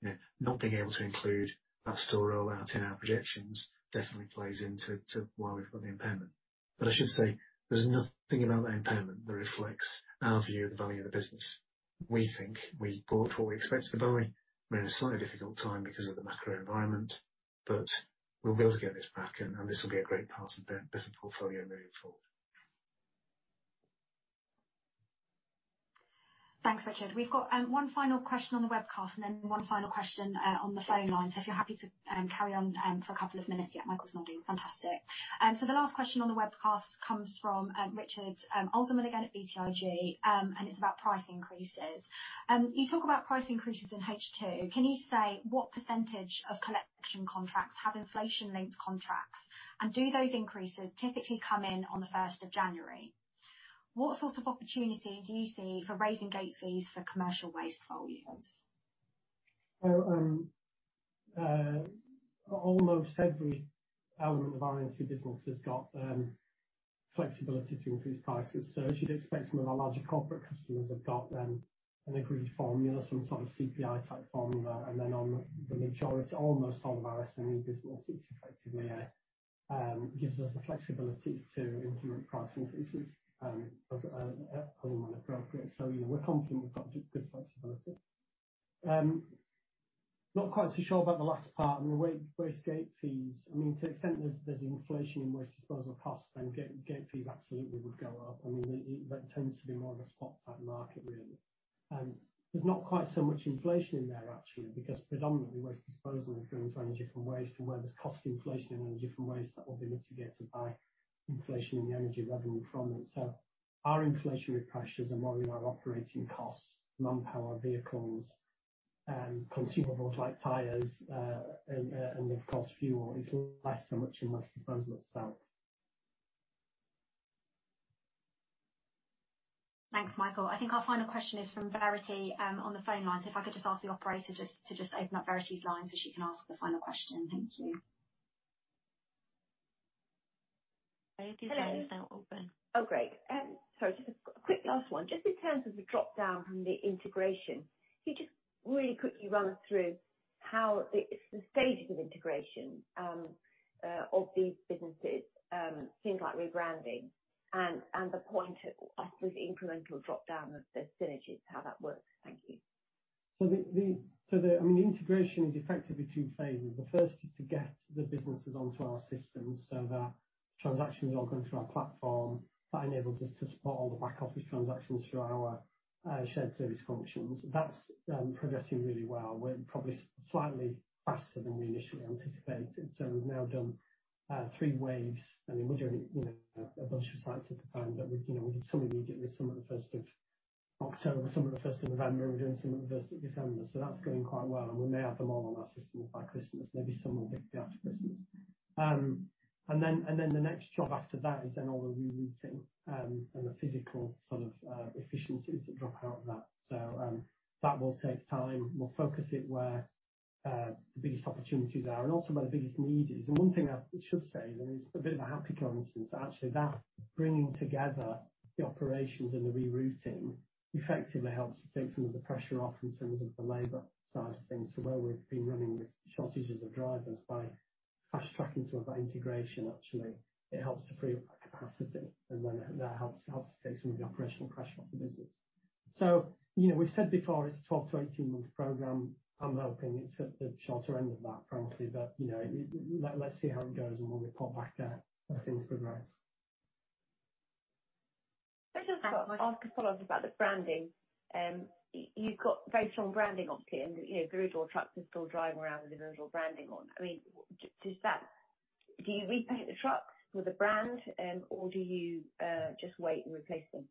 You know, not being able to include that store rollout in our projections definitely plays into why we've got the impairment. I should say there's nothing about that impairment that reflects our view of the value of the business. We think we bought what we expected to buy. We're in a slightly difficult time because of the macro environment, but we'll be able to get this back and this will be a great part of the business portfolio moving forward. Thanks, Richard. We've got one final question on the webcast and then one final question on the phone line. If you're happy to carry on for a couple of minutes yet, Michael's nodding. Fantastic. The last question on the webcast comes from Richard Alderman again at BTIG, and it's about price increases. You talk about price increases in H2. Can you say what percentage of collection contracts have inflation-linked contracts, and do those increases typically come in on the first of January? What sort of opportunity do you see for raising gate fees for commercial waste volumes? So, um- Almost every element of our I&C business has got flexibility to increase prices. As you'd expect, some of our larger corporate customers have got an agreed formula, some sort of CPI type formula. On the majority, almost all of our SME business, it's effectively gives us the flexibility to implement price increases, as and when appropriate. You know, we're confident we've got good flexibility. Not quite so sure about the last part, I mean, waste gate fees. I mean, to the extent there's inflation in waste disposal costs, then gate fees absolutely would go up. I mean, that tends to be more of a spot type market really. There's not quite so much inflation in there actually, because predominantly waste disposal is going to energy from waste and where there's cost inflation in energy from waste, that will be mitigated by inflation in the energy revenue from it. Our inflationary pressures are more around operating costs, manpower, vehicles, consumables like tires, and of course fuel. It's less so much in waste disposal itself. Thanks, Michael. I think our final question is from Verity on the phone line. If I could just ask the operator to open up Verity's line so she can ask the final question. Thank you. Verity's line is now open. Oh, great. Sorry, just a quick last one. Just in terms of the drop-down from the integration, can you just really quickly run through how the stages of integration of these businesses, things like rebranding and the point at which incremental drop-down of the synergies, how that works? Thank you. The integration is effectively two phases. The first is to get the businesses onto our systems so that transactions all go through our platform. That enables us to support all the back office transactions through our shared service functions. That's progressing really well. We're probably slightly faster than we initially anticipated. We've now done three waves. I mean, we're doing, you know, a bunch of sites at the time, but we, you know, we did some immediately, some at the first of October, some at the first of November. We're doing some at the first of December. That's going quite well. We may have them all on our system by Christmas. Maybe some will be after Christmas. The next job after that is all the rerouting, and the physical sort of efficiencies that drop out of that. That will take time. We'll focus it where the biggest opportunities are and also where the biggest need is. One thing I should say, there is a bit of a happy coincidence, actually, that bringing together the operations and the rerouting effectively helps to take some of the pressure off in terms of the labor side of things. Where we've been running with shortages of drivers, by fast-tracking some of that integration actually it helps to free up capacity and then that helps to take some of the operational pressure off the business. You know, we've said before it's a 12-18 month program. I'm hoping it's at the shorter end of that, frankly. You know, let's see how it goes and we'll report back, as things progress. Can I just ask a follow-up about the branding? You've got very strong branding, obviously, and you know, Viridor trucks are still driving around with the Viridor branding on. I mean, do you repaint the trucks with the brand, or do you just wait and replace them?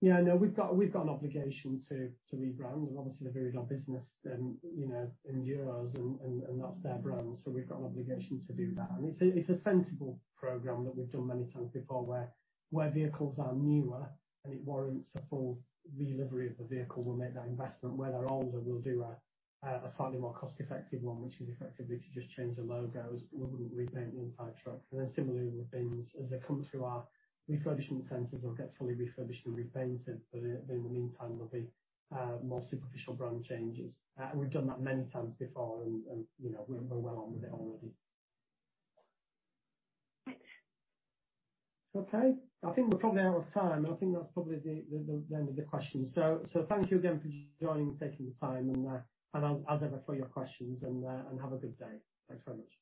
Yeah, no, we've got an obligation to rebrand and obviously the Viridor business, you know, endures and that's their brand. We've got an obligation to do that. It's a sensible program that we've done many times before where vehicles are newer and it warrants a full re-livery of the vehicle, we'll make that investment. Where they're older, we'll do a slightly more cost-effective one, which is effectively to just change the logos. We wouldn't repaint the entire truck. Similarly with bins, as they come through our refurbishment centers, they'll get fully refurbished and repainted. In the meantime, there'll be more superficial brand changes. We've done that many times before and you know, we're well on with it already. Thanks. Okay. I think we're probably out of time, and I think that's probably the end of the questions. Thank you again for joining, taking the time and as ever for your questions and have a good day. Thanks very much.